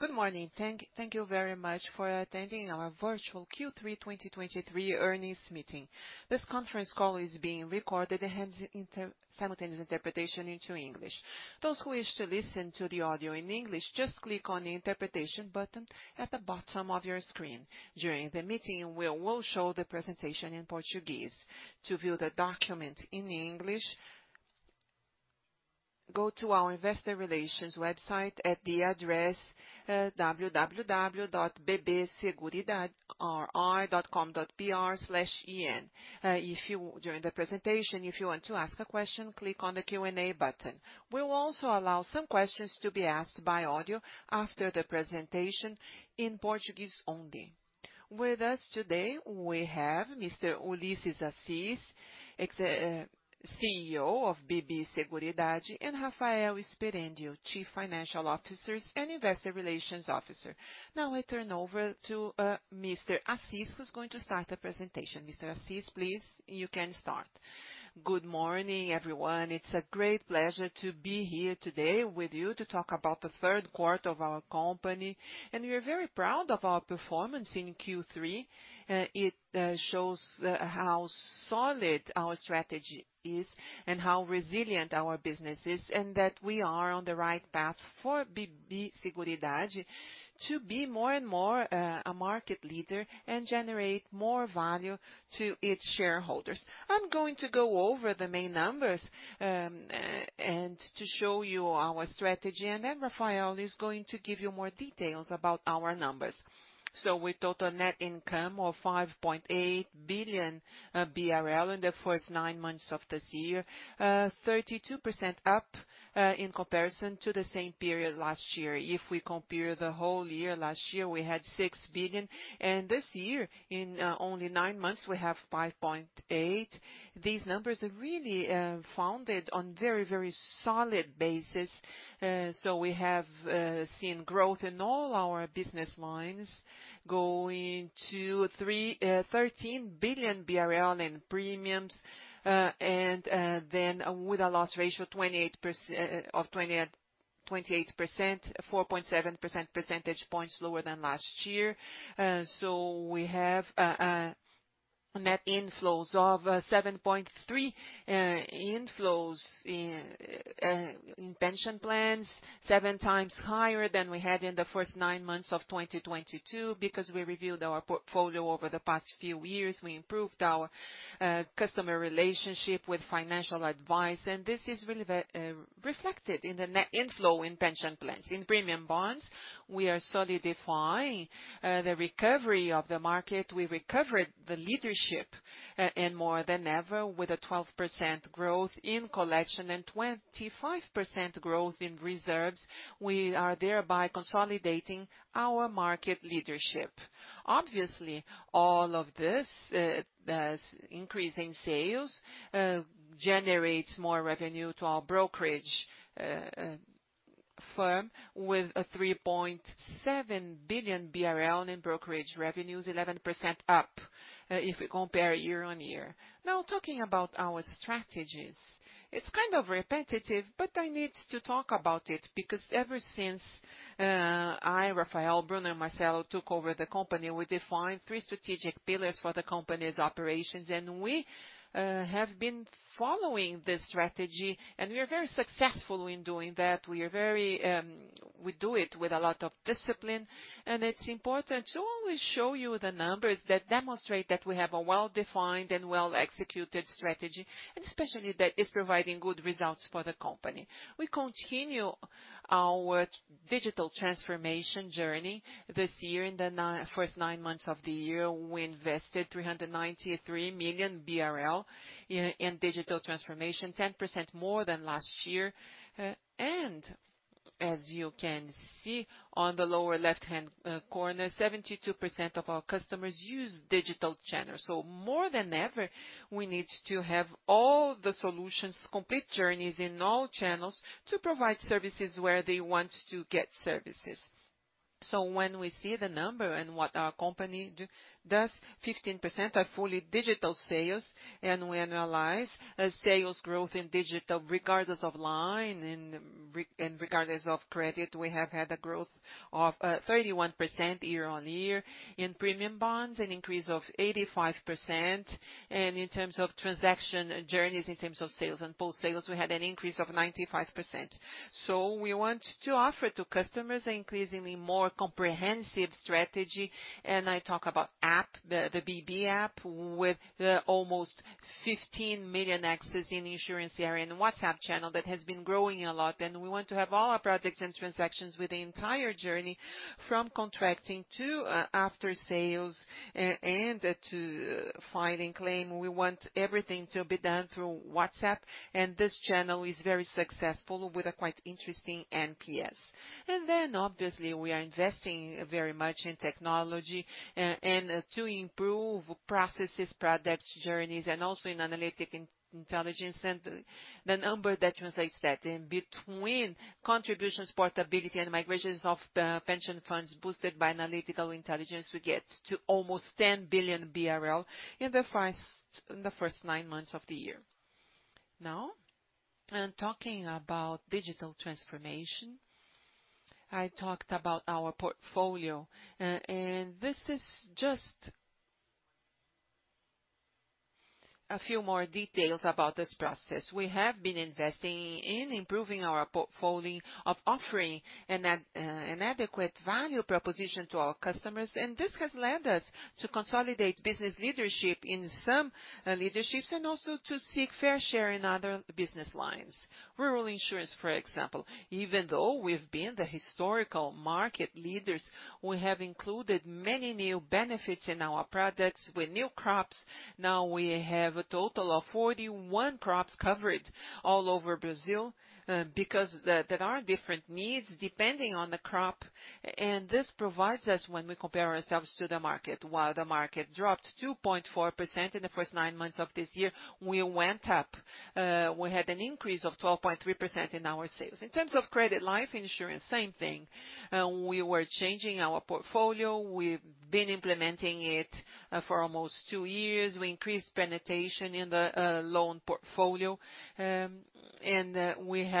Good morning. Thank you very much for attending our virtual Q3 2023 earnings meeting. This conference call is being recorded and has simultaneous interpretation into English. Those who wish to listen to the audio in English, just click on the interpretation button at the bottom of your screen. During the meeting, we will show the presentation in Portuguese. To view the document in English, go to our investor relations website at the address www.bbseguridade.com.br/en. During the presentation, if you want to ask a question, click on the Q&A button. We will also allow some questions to be asked by audio after the presentation in Portuguese only. With us today, we have Mr. Ullisses Assis, CEO of BB Seguridade, and Rafael Sperendio, Chief Financial Officer and Investor Relations Officer. Now I turn over to Mr. Assis, who's going to start the presentation. Mr. Assis, please, you can start. Good morning, everyone. It's a great pleasure to be here today with you to talk about the third quarter of our company, and we are very proud of our performance in Q3. It shows how solid our strategy is and how resilient our business is, and that we are on the right path for BB Seguridade to be more and more a market leader and generate more value to its shareholders. I'm going to go over the main numbers and to show you our strategy, and then Rafael is going to give you more details about our numbers. So, with total net income of 5.8 billion BRL in the first nine months of this year, 32% up in comparison to the same period last year. If we compare the whole year, last year, we had 6 billion, and this year, in only nine months, we have 5.8. These numbers are really founded on very, very solid basis. So we have seen growth in all our business lines going to 13 billion BRL in premiums. And then with a loss ratio of 28%, 4.7 percentage points lower than last year. So we have net inflows of 7.3 inflows in pension plans, seven times higher than we had in the first nine months of 2022, because we reviewed our portfolio over the past few years. We improved our customer relationship with financial advice, and this is really very reflected in the net inflow in pension plans. In premium bonds, we are solidifying the recovery of the market. We recovered the leadership, and more than ever, with a 12% growth in collection and 25% growth in reserves, we are thereby consolidating our market leadership. Obviously, all of this does increase in sales generates more revenue to our brokerage firm, with 3.7 billion BRL in brokerage revenues, 11% up, if we compare year-on-year. Now, talking about our strategies, it's kind of repetitive, but I need to talk about it because ever since I, Rafael, Bruno and Marcelo took over the company, we defined three strategic pillars for the company's operations, and we have been following this strategy, and we are very successful in doing that. We are very... We do it with a lot of discipline, and it's important to always show you the numbers that demonstrate that we have a well-defined and well-executed strategy, and especially that is providing good results for the company. We continue our digital transformation journey this year. In the first nine months of the year, we invested 393 million BRL in digital transformation, 10% more than last year. And as you can see on the lower left-hand corner, 72% of our customers use digital channels. So more than ever, we need to have all the solutions, complete journeys in all channels to provide services where they want to get services. So when we see the number and what our company does, 15% are fully digital sales, and we analyze a sales growth in digital, regardless of line and regardless of credit, we have had a growth of 31% year-on-year. In premium bonds, an increase of 85%, and in terms of transaction journeys, in terms of sales and post-sales, we had an increase of 95%. So we want to offer to customers an increasingly more comprehensive strategy, and I talk about the app, the BB app, with almost 15 million access in insurance area and WhatsApp channel that has been growing a lot. And we want to have all our products and transactions with the entire journey, from contracting to after sales and to filing claim. We want everything to be done through WhatsApp, and this channel is very successful with a quite interesting NPS. And then obviously, we are investing very much in technology, and to improve processes, products, journeys, and also in analytical intelligence. And the number that translates that, and between contributions, portability, and migrations of pension funds boosted by analytical intelligence, we get to almost 10 billion BRL in the first nine months of the year. Now, and talking about digital transformation, I talked about our portfolio, and this is just a few more details about this process. We have been investing in improving our portfolio of offering an adequate value proposition to our customers, and this has led us to consolidate business leadership in some leaderships, and also to seek fair share in other business lines. Rural insurance, for example, even though we've been the historical market leaders, we have included many new benefits in our products with new crops. Now we have a total of 41 crops covered all over Brazil, because there are different needs depending on the crop, and this provides us when we compare ourselves to the market. While the market dropped 2.4% in the first nine months of this year, we went up, we had an increase of 12.3% in our sales. In terms of credit life insurance, same thing. We were changing our portfolio. We've been implementing it, for almost two years.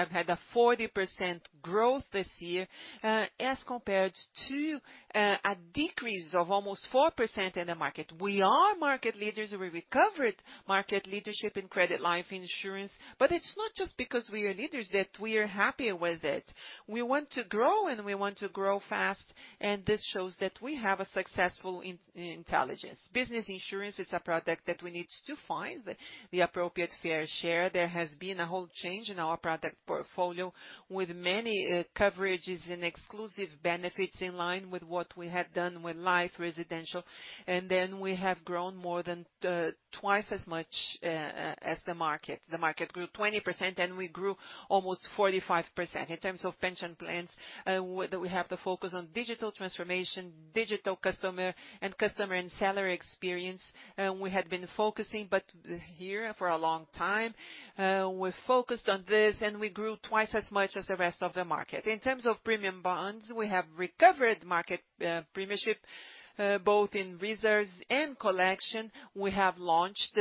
We increased penetration in the loan portfolio, and we have had a 40% growth this year, as compared to a decrease of almost 4% in the market. We are market leaders. We recovered market leadership in credit life insurance, but it's not just because we are leaders that we are happy with it. We want to grow, and we want to grow fast, and this shows that we have a successful in-intelligence. Business insurance is a product that we need to find the appropriate fair share. There has been a whole change in our product portfolio, with many, coverages and exclusive benefits in line with what we have done with life, residential, and then we have grown more than, twice as much, as the market. The market grew 20%, and we grew almost 45%. In terms of pension plans, we have to focus on digital transformation, digital customer, and customer and seller experience. We had been focusing, but here for a long time, we focused on this, and we grew twice as much as the rest of the market. In terms of premium bonds, we have recovered market premiership, both in reserves and collection. We have launched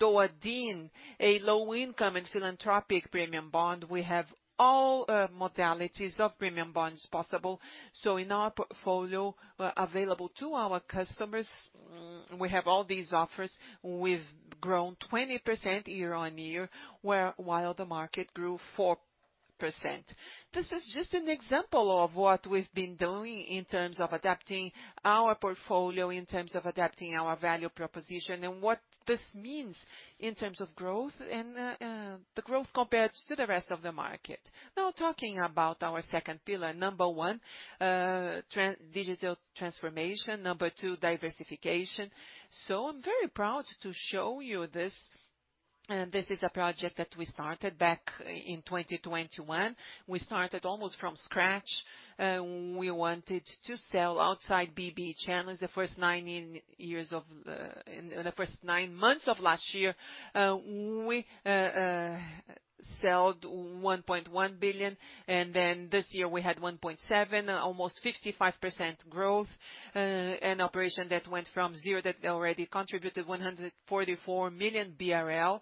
Doadin, a low-income and philanthropic premium bond. We have all modalities of premium bonds possible. So in our portfolio, available to our customers, we have all these offers. We've grown 20% year-on-year, while the market grew 4%. This is just an example of what we've been doing in terms of adapting our portfolio, in terms of adapting our value proposition and what this means in terms of growth and the growth compared to the rest of the market. Now, talking about our second pillar, number one, digital transformation. Number two, diversification. So I'm very proud to show you this, and this is a project that we started back in 2021. We started almost from scratch, we wanted to sell outside BB channels. In the first nine months of last year, we sold 1.1 billion, and then this year we had 1.7, almost 55% growth, an operation that went from zero, that already contributed 144 million BRL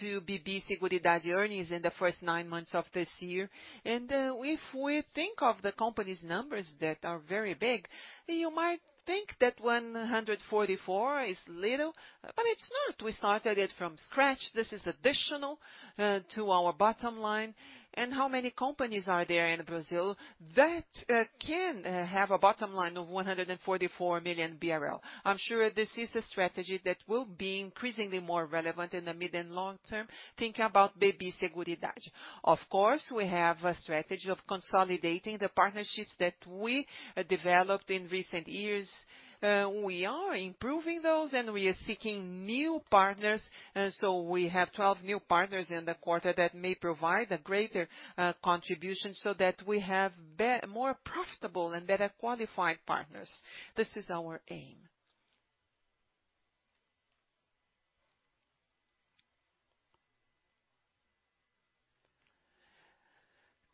to BB Seguridade earnings in the first nine months of this year. And if we think of the company's numbers that are very big, you might think that 144 is little, but it's not. We started it from scratch. This is additional to our bottom line. How many companies are there in Brazil that can have a bottom line of 144 million BRL? I'm sure this is a strategy that will be increasingly more relevant in the mid and long term. Think about BB Seguridade. Of course, we have a strategy of consolidating the partnerships that we developed in recent years. We are improving those, and we are seeking new partners, and so we have 12 new partners in the quarter that may provide a greater contribution so that we have more profitable and better qualified partners. This is our aim.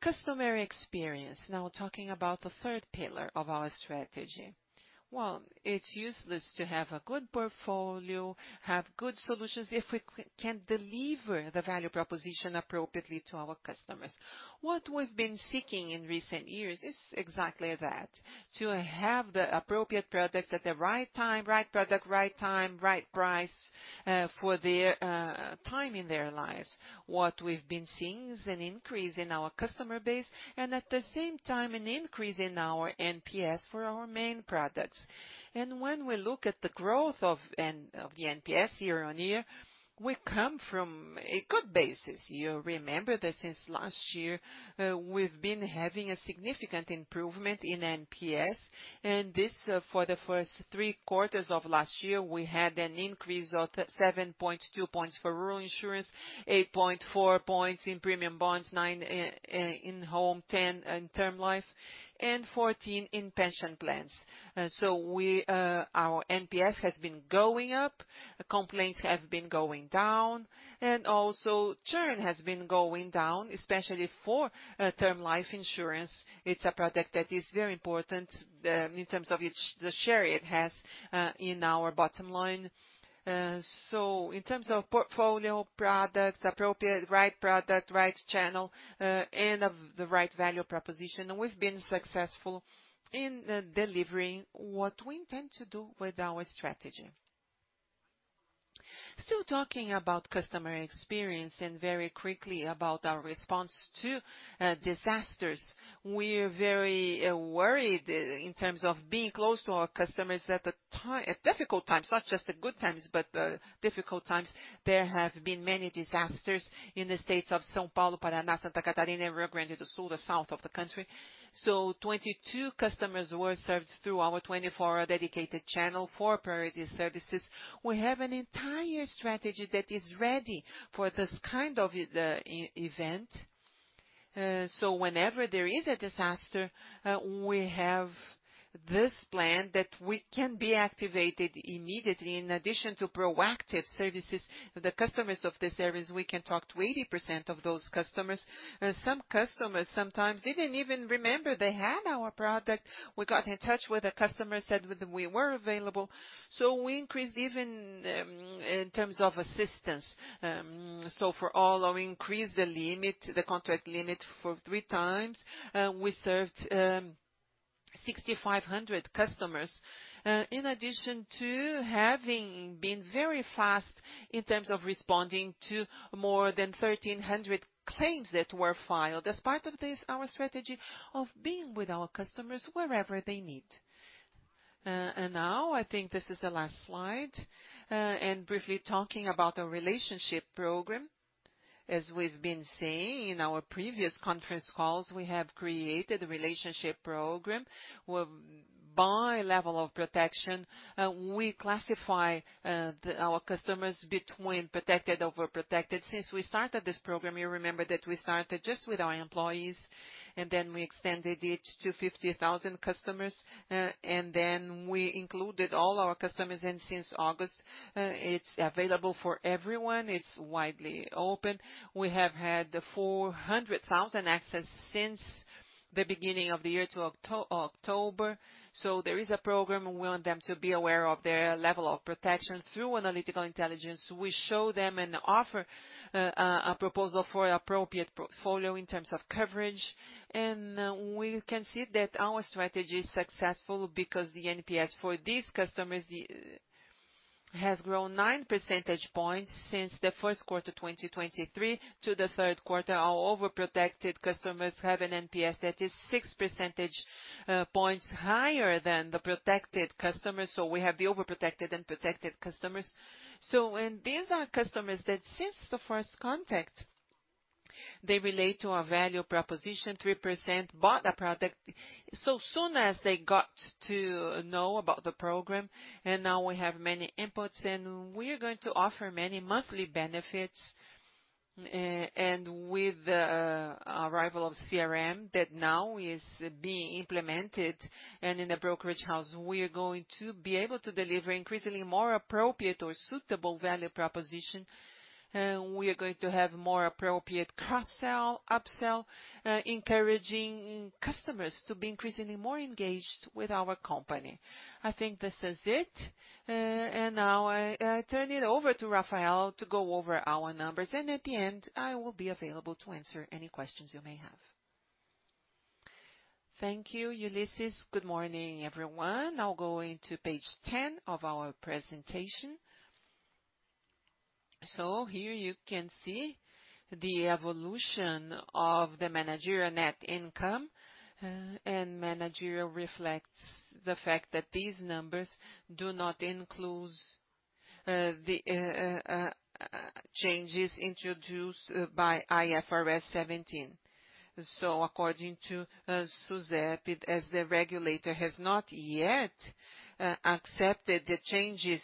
Customer experience. Now, talking about the third pillar of our strategy. Well, it's useless to have a good portfolio, have good solutions, if we can't deliver the value proposition appropriately to our customers. What we've been seeking in recent years is exactly that, to have the appropriate products at the right time, right product, right time, right price, for their time in their lives. What we've been seeing is an increase in our customer base and at the same time, an increase in our NPS for our main products. When we look at the growth of the NPS year-on-year, we come from a good basis. You remember that since last year, we've been having a significant improvement in NPS, and this for the first three quarters of last year, we had an increase of 7.2 points for rural insurance, 8.4 points in premium bonds, nine in home, 10 in term life, and 14 in pension plans. So our NPS has been going up, complaints have been going down, and also churn has been going down, especially for term life insurance. It's a product that is very important in terms of its... The share it has in our bottom line. So in terms of portfolio products, appropriate, right product, right channel, and of the right value proposition, we've been successful in delivering what we intend to do with our strategy. Still talking about customer experience and very quickly about our response to disasters. We're very worried in terms of being close to our customers at difficult times, not just the good times, but difficult times. There have been many disasters in the states of São Paulo, Paraná, Santa Catarina, Rio Grande do Sul, the south of the country. So 22 customers were served through our 24-hour dedicated channel for priority services. We have an entire strategy that is ready for this kind of event. So whenever there is a disaster, we have this plan that we can be activated immediately in addition to proactive services, the customers of the service, we can talk to 80% of those customers. Some customers sometimes didn't even remember they had our product. We got in touch with the customer, said we, we were available, so we increased even, in terms of assistance. So for all, we increased the limit, the contract limit, for three times. We served 6,500 customers in addition to having been very fast in terms of responding to more than 1,300 claims that were filed as part of this, our strategy of being with our customers wherever they need. And now I think this is the last slide. And briefly talking about the relationship program, as we've been saying in our previous conference calls, we have created a relationship program, where by level of protection we classify our customers between protected, over protected. Since we started this program, you remember that we started just with our employees, and then we extended it to 50,000 customers, and then we included all our customers, and since August it's available for everyone. It's widely open. We have had 400,000 accesses since the beginning of the year to October, so there is a program. We want them to be aware of their level of protection. Through analytical intelligence, we show them and offer a proposal for appropriate portfolio in terms of coverage, and we can see that our strategy is successful because the NPS for these customers has grown 9 percentage points since the first quarter 2023 to the third quarter. Our overprotected customers have an NPS that is 6 percentage points higher than the protected customers, so we have the overprotected and protected customers. So when these are customers that, since the first contact, they relate to our value proposition, 3% bought the product. As soon as they got to know about the program, and now we have many inputs, and we are going to offer many monthly benefits, and with the arrival of CRM that now is being implemented, and in the brokerage house, we are going to be able to deliver increasingly more appropriate or suitable value proposition, we are going to have more appropriate cross-sell, up-sell, encouraging customers to be increasingly more engaged with our company. I think this is it, and now I turn it over to Rafael to go over our numbers, and at the end, I will be available to answer any questions you may have. Thank you, Ullisses. Good morning, everyone. Now going to page 10 of our presentation. So here you can see the evolution of the managerial net income, and managerial reflects the fact that these numbers do not include the changes introduced by IFRS 17. So according to SUSEP, as the regulator has not yet accepted the changes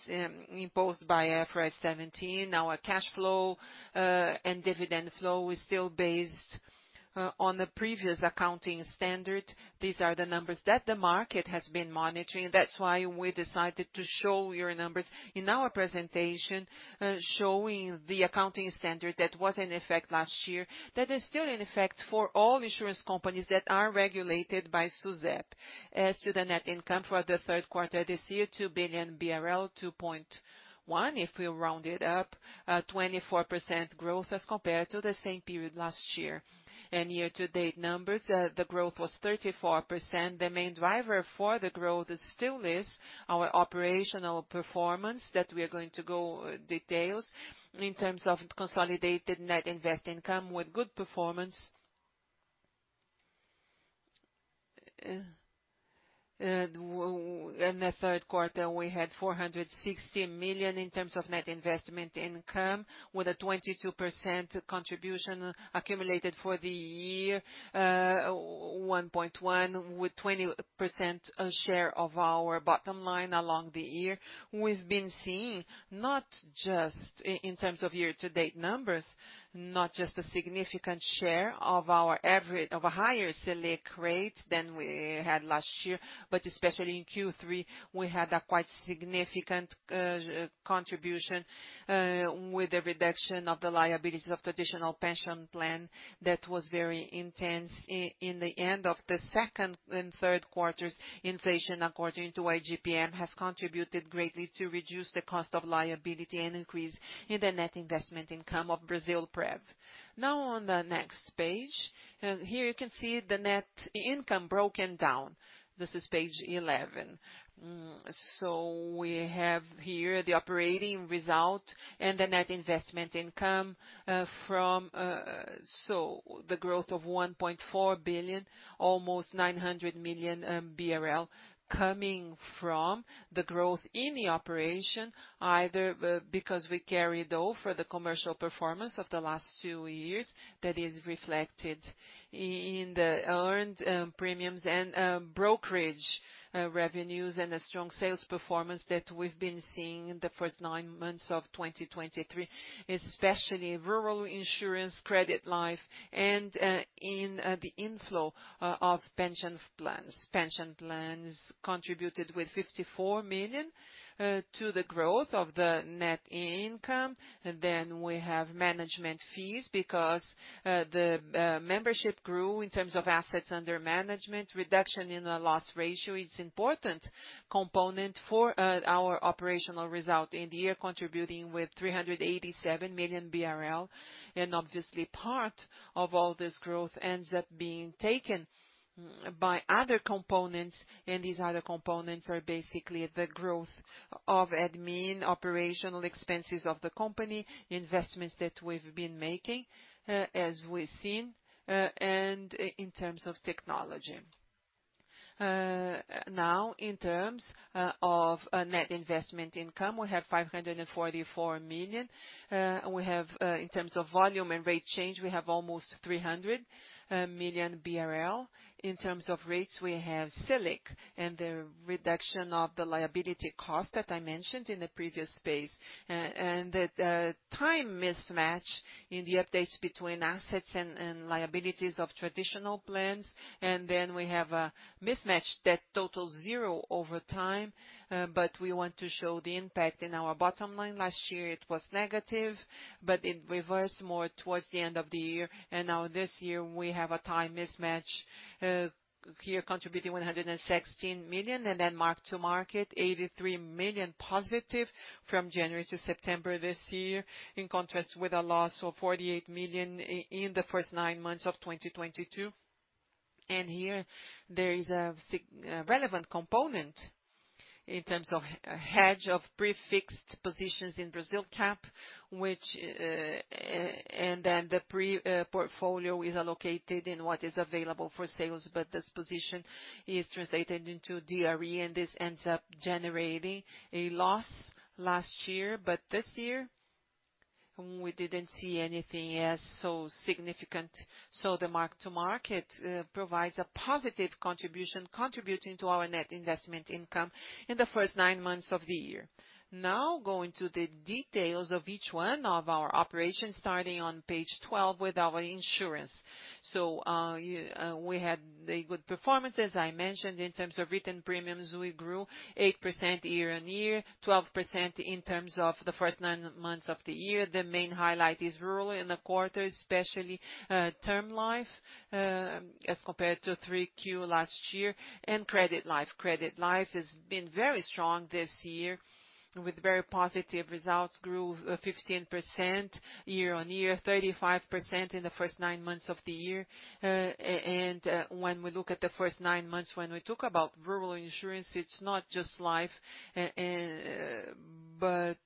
imposed by IFRS 17, our cash flow and dividend flow is still based on the previous accounting standard. These are the numbers that the market has been monitoring. That's why we decided to show your numbers in our presentation, showing the accounting standard that was in effect last year, that is still in effect for all insurance companies that are regulated by SUSEP. As to the net income for the third quarter this year, 2 billion BRL, 2.1 billion, if we round it up, 24% growth as compared to the same period last year. Year-to-date numbers, the growth was 34%. The main driver for the growth is still our operational performance, that we are going to go into details in terms of consolidated net investment income with good performance. In the third quarter, we had 460 million in terms of net investment income, with a 22% contribution accumulated for the year, 1.1 billion, with 20% share of our bottom line along the year. We've been seeing, not just in terms of year-to-date numbers, not just a significant share of our average of a higher Selic rate than we had last year, but especially in Q3, we had a quite significant contribution with the reduction of the liabilities of traditional pension plan. That was very intense in the end of the second and third quarters. Inflation, according to IGPM, has contributed greatly to reduce the cost of liability and increase in the net investment income of Brasilprev. Now, on the next page, here you can see the net income broken down. This is page 11. So we have here the operating result and the net investment income, from, so the growth of 1.4 billion, almost 900 million BRL, coming from the growth in the operation, either because we carried over the commercial performance of the last two years, that is reflected in the earned premiums and brokerage revenues, and a strong sales performance that we've been seeing in the first nine months of 2023, especially rural insurance, credit life, and in the inflow of pension plans. Pension plans contributed with 54 million to the growth of the net income. Then we have management fees because the membership grew in terms of assets under management. Reduction in the loss ratio is important component for our operational result in the year, contributing with 387 million BRL. And obviously, part of all this growth ends up being taken by other components, and these other components are basically the growth of admin, operational expenses of the company, investments that we've been making, as we've seen, and in terms of technology. Now, in terms of a net investment income, we have 544 million. We have in terms of volume and rate change, we have almost 300 million BRL. In terms of rates, we have Selic and the reduction of the liability cost that I mentioned in the previous page. And the time mismatch in the updates between assets and liabilities of traditional plans, and then we have a mismatch that totals zero over time, but we want to show the impact in our bottom line. Last year, it was negative, but it reversed more towards the end of the year, and now this year, we have a time mismatch here contributing 116 million, and then mark-to-market, 83 million positive from January to September this year, in contrast with a loss of 48 million in the first nine months of 2022. And here, there is a significant relevant component in terms of hedge of prefixed positions in Brasilcap, which... Then the pre portfolio is allocated in what is available for sales, but this position is translated into DRE, and this ends up generating a loss last year. But this year, we didn't see anything as so significant. So the mark-to-market provides a positive contribution, contributing to our net investment income in the first nine months of the year. Now, going to the details of each one of our operations, starting on page 12 with our insurance. So we had a good performance, as I mentioned. In terms of written premiums, we grew 8% year-on-year, 12% in terms of the first nine months of the year. The main highlight is rural in the quarter, especially term life as compared to 3Q last year, and credit life. Credit life has been very strong this year, with very positive results, grew 15% year-on-year, 35% in the first nine months of the year. And, when we look at the first nine months, when we talk about rural insurance, it's not just life, but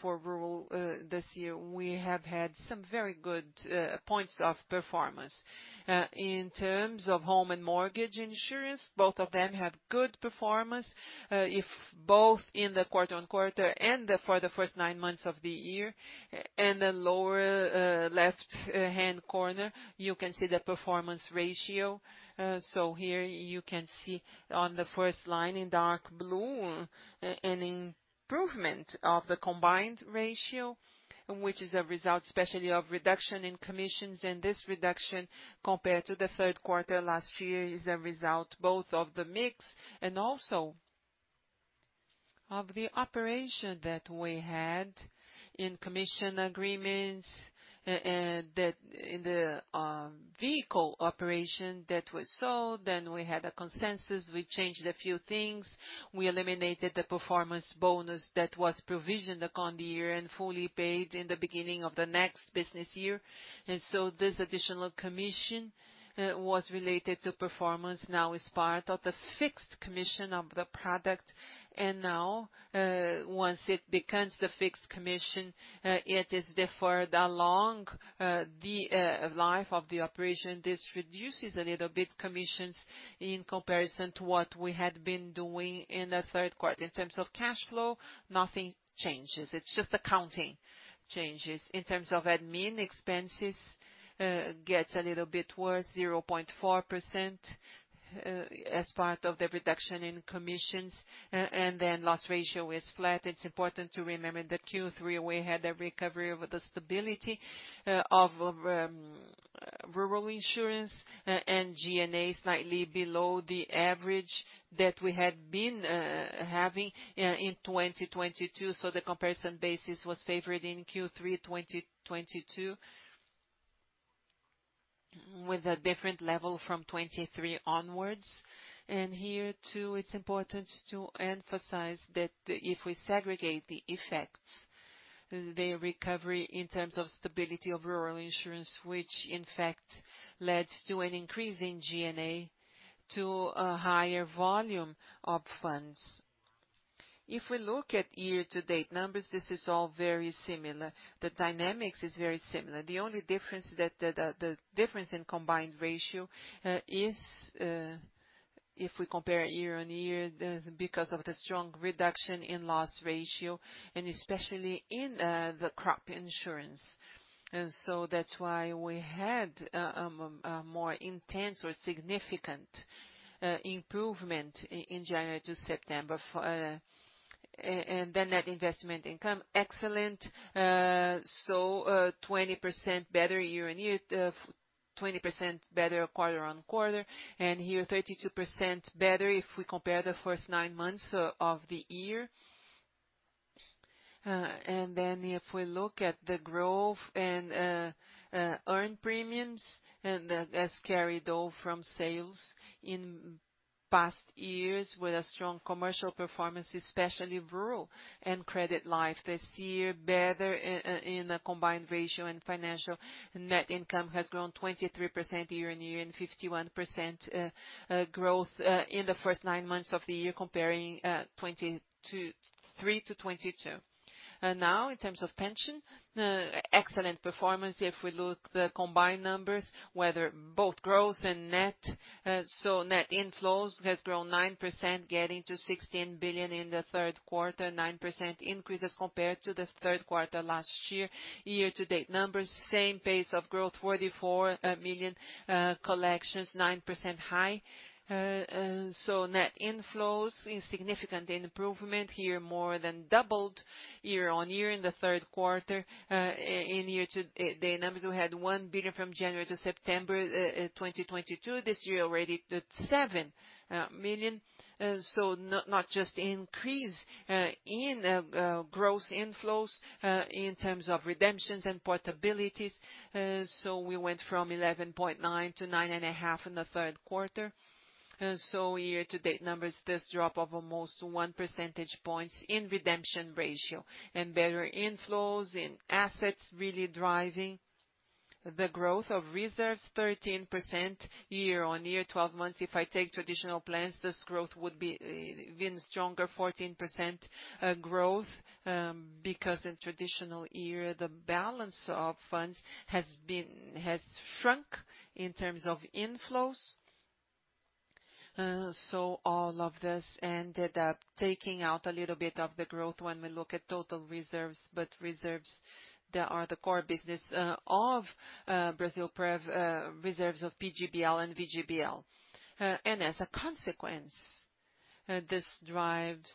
for rural, this year, we have had some very good points of performance. In terms of home and mortgage insurance, both of them have good performance, in both quarter-on-quarter and for the first nine months of the year. And the lower, left-hand corner, you can see the performance ratio. So here you can see on the first line in dark blue an improvement of the combined ratio, which is a result, especially of reduction in commissions, and this reduction, compared to the third quarter last year, is a result both of the mix and also of the operation that we had in commission agreements, and that in the vehicle operation that was sold. Then we had a consensus. We changed a few things. We eliminated the performance bonus that was provisioned on the year and fully paid in the beginning of the next business year. And so this additional commission was related to performance, now is part of the fixed commission of the product, and now, once it becomes the fixed commission, it is deferred along the life of the operation. This reduces a little bit commissions in comparison to what we had been doing in the third quarter. In terms of cash flow, nothing changes. It's just accounting changes. In terms of admin expenses, gets a little bit worse, 0.4%, as part of the reduction in commissions, and then loss ratio is flat. It's important to remember that Q3, we had a recovery with the stability, of, rural insurance, and G&A is slightly below the average that we had been, having, in 2022, so the comparison basis was favored in Q3 2022. With a different level from 2023 onwards. And here, too, it's important to emphasize that if we segregate the effects, the recovery in terms of stability of rural insurance, which in fact led to an increase in G&A to a higher volume of funds. If we look at year-to-date numbers, this is all very similar. The dynamics is very similar. The only difference is that the difference in combined ratio, if we compare year-on-year, because of the strong reduction in loss ratio, and especially in the crop insurance. So that's why we had a more intense or significant improvement in January to September for... And then net investment income, excellent. So, 20% better year-on-year, 20% better quarter-on-quarter, and here 32% better if we compare the first nine months of the year. And then if we look at the growth and earned premiums, and that's carried over from sales in past years with a strong commercial performance, especially rural and credit life. This year, better in a combined ratio and financial net income has grown 23% year-over-year, and 51% growth in the first nine months of the year, comparing 2023 to 2022. Now, in terms of pension, excellent performance. If we look the combined numbers, whether both growth and net, so net inflows has grown 9%, getting to 16 billion in the third quarter, 9% increases compared to the third quarter last year. Year-to-date numbers, same pace of growth, 44 million collections, 9% high. So net inflows in significant improvement here, more than doubled year-over-year in the third quarter. In year-to-date numbers, we had 1 billion from January to September 2022. This year, already at 7 million. So not just increase in gross inflows in terms of redemptions and portabilities. So we went from 11.9 to 9.5 in the third quarter. And so year to date numbers, this drop of almost one percentage points in redemption ratio and better inflows in assets really driving the growth of reserves 13% year-on-year, 12 months. If I take traditional plans, this growth would be even stronger, 14% growth, because in traditional year, the balance of funds has shrunk in terms of inflows. So all of this ended up taking out a little bit of the growth when we look at total reserves, but reserves that are the core business of Brasilprev, reserves of PGBL and VGBL. And as a consequence, this drives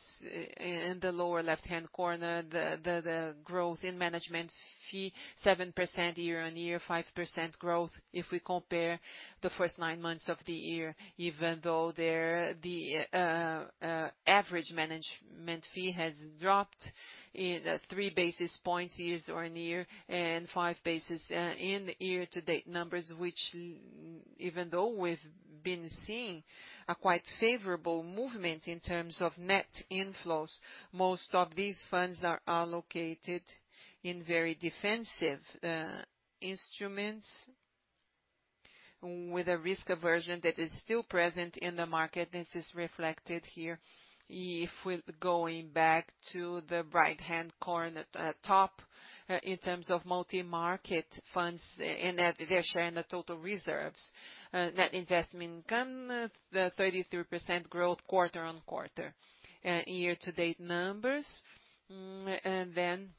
in the lower left-hand corner, the growth in management fee, 7% year-on-year, 5% growth if we compare the first nine months of the year, even though there the average management fee has dropped in three basis points year-on-year and five basis points in the year-to-date numbers, which even though we've been seeing a quite favorable movement in terms of net inflows, most of these funds are allocated in very defensive instruments with a risk aversion that is still present in the market. This is reflected here. If we're going back to the right-hand corner, top, in terms of multi-market funds and their share in the total reserves, net investment income, the 33% growth quarter-on-quarter, year-to-date numbers. Then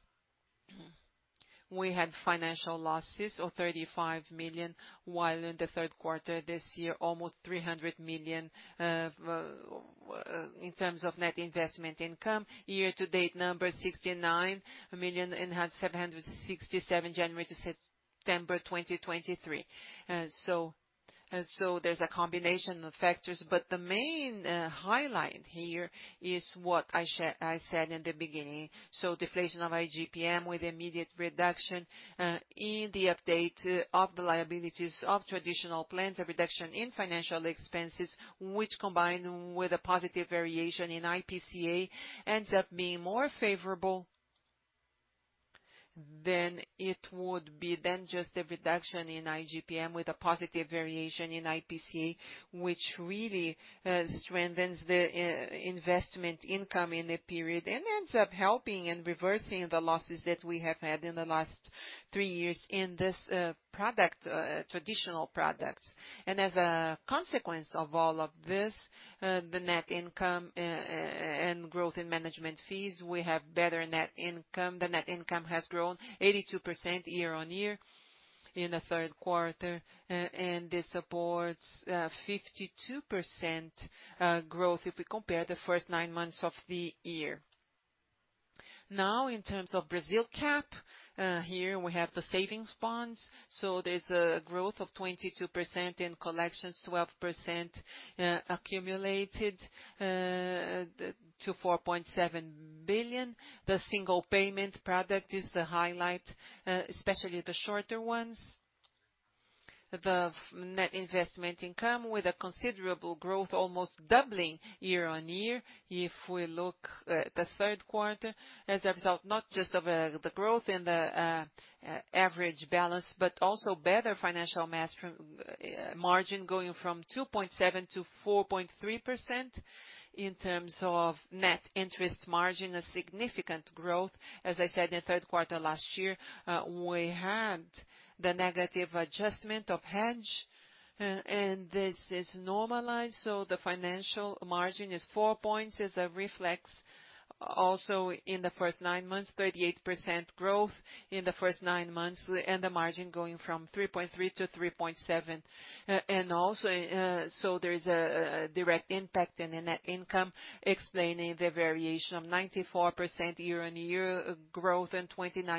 we had financial losses of 35 million, while in the third quarter this year, almost 300 million in terms of net investment income. Year to date, number 69 million and 767, January to September 2023. And so there's a combination of factors, but the main highlight here is what I said in the beginning. So deflation of IGPM with immediate reduction in the update of the liabilities of traditional plans, a reduction in financial expenses, which combined with a positive variation in IPCA, ends up being more favorable than it would be then just a reduction in IGPM with a positive variation in IPCA, which really strengthens the investment income in the period and ends up helping and reversing the losses that we have had in the last three years in this product, traditional products. And as a consequence of all of this, the net income and growth in management fees, we have better net income. The net income has grown 82% year-on-year in the third quarter, and this supports 52% growth if we compare the first nine months of the year. Now, in terms of Brasilcap, here we have the savings bonds. So there's a growth of 22% in collections, 12% accumulated to 4.7 billion. The single payment product is the highlight, especially the shorter ones above net investment income with a considerable growth, almost doubling year-on-year. If we look at the third quarter, as a result, not just of the growth in the average balance, but also better financial margin going from 2.7% to 4.3% in terms of net interest margin, a significant growth. As I said, in the third quarter last year, we had the negative adjustment of hedge, and this is normalized. So the financial margin is 4 points, is a reflex also in the first nine months, 38% growth in the first nine months, and the margin going from 3.3 to 3.7. And also, so there is a direct impact in the net income, explaining the variation of 94% year-on-year growth and 29%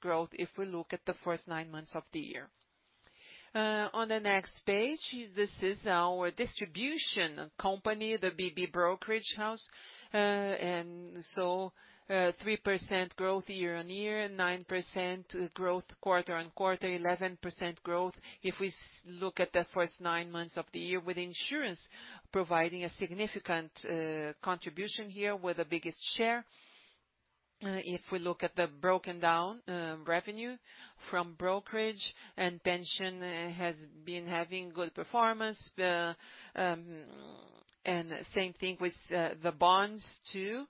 growth, if we look at the first nine months of the year. On the next page, this is our distribution company, the BB Brokerage House. And so, 3% growth year-on-year, and 9% growth quarter-on-quarter, 11% growth if we look at the first nine months of the year, with insurance providing a significant contribution here, with the biggest share. If we look at the breakdown, revenue from brokerage and pension has been having good performance. Same thing with the bonds, too.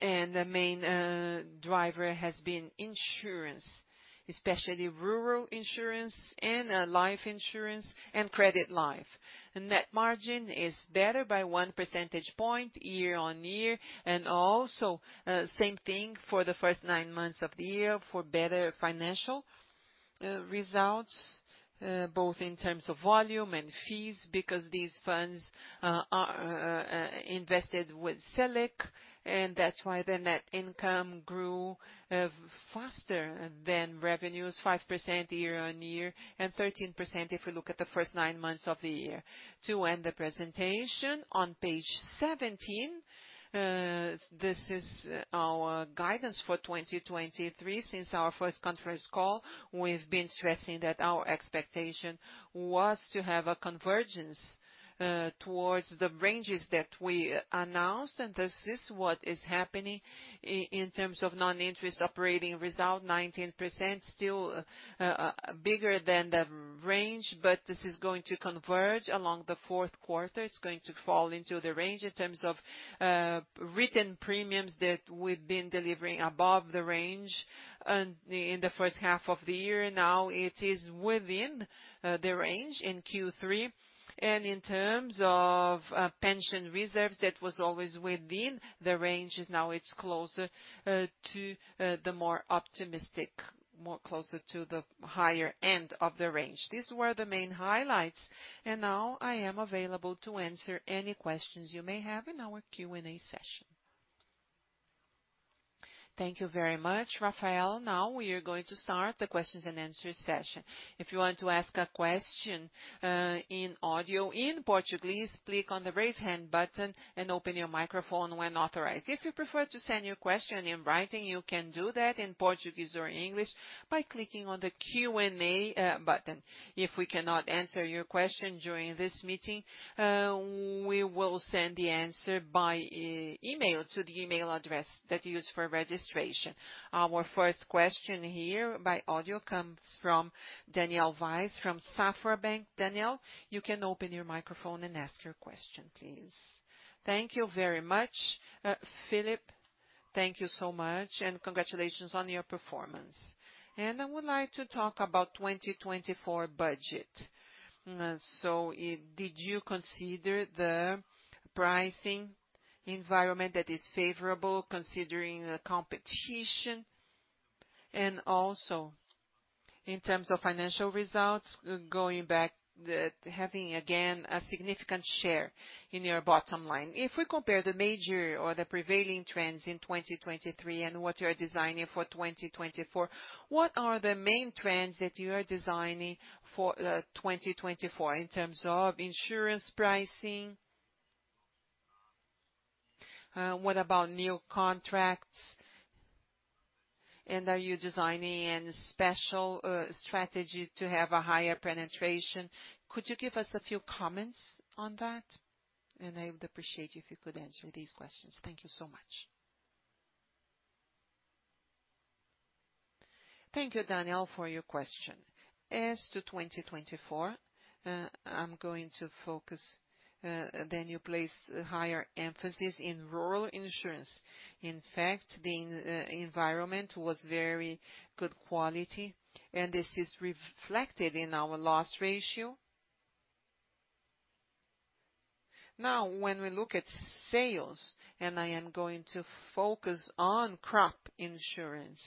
The main driver has been insurance, especially rural insurance and life insurance and credit life. Net margin is better by 1 percentage point, year-on-year, and also same thing for the first nine months of the year for better financial results both in terms of volume and fees, because these funds are invested with Selic, and that's why the net income grew faster than revenues, 5% year-on-year and 13% if we look at the first nine months of the year. To end the presentation on page 17, this is our guidance for 2023. Since our first conference call, we've been stressing that our expectation was to have a convergence, towards the ranges that we announced, and this is what is happening in terms of non-interest operating result, 19%, still, bigger than the range, but this is going to converge along the fourth quarter. It's going to fall into the range in terms of, written premiums that we've been delivering above the range, in the first half of the year. Now it is within, the range in Q3, and in terms of, pension reserves, that was always within the range, now it's closer, to, the more optimistic, more closer to the higher end of the range. These were the main highlights, and now I am available to answer any questions you may have in our Q&A session. Thank you very much, Rafael. Now we are going to start the questions and answers session. If you want to ask a question in audio, in Portuguese, click on the Raise Hand button and open your microphone when authorized. If you prefer to send your question in writing, you can do that in Portuguese or English by clicking on the Q&A button. If we cannot answer your question during this meeting, we will send the answer by email to the email address that you used for registration. Our first question here by audio comes from Daniel Vaz from Safra Bank. Daniel, you can open your microphone and ask your question, please. Thank you very much, Felipe. Thank you so much, and congratulations on your performance. And I would like to talk about 2024 budget. So did you consider the pricing environment that is favorable, considering the competition? And also, in terms of financial results, going back, that having, again, a significant share in your bottom line. If we compare the major or the prevailing trends in 2023 and what you are designing for 2024, what are the main trends that you are designing for, 2024 in terms of insurance pricing? What about new contracts? And are you designing any special, strategy to have a higher penetration? Could you give us a few comments on that? And I would appreciate if you could answer these questions. Thank you so much. Thank you, Daniel, for your question. As to 2024, I'm going to focus, then you place higher emphasis in rural insurance. In fact, the, environment was very good quality, and this is reflected in our loss ratio. Now, when we look at sales, and I am going to focus on crop insurance.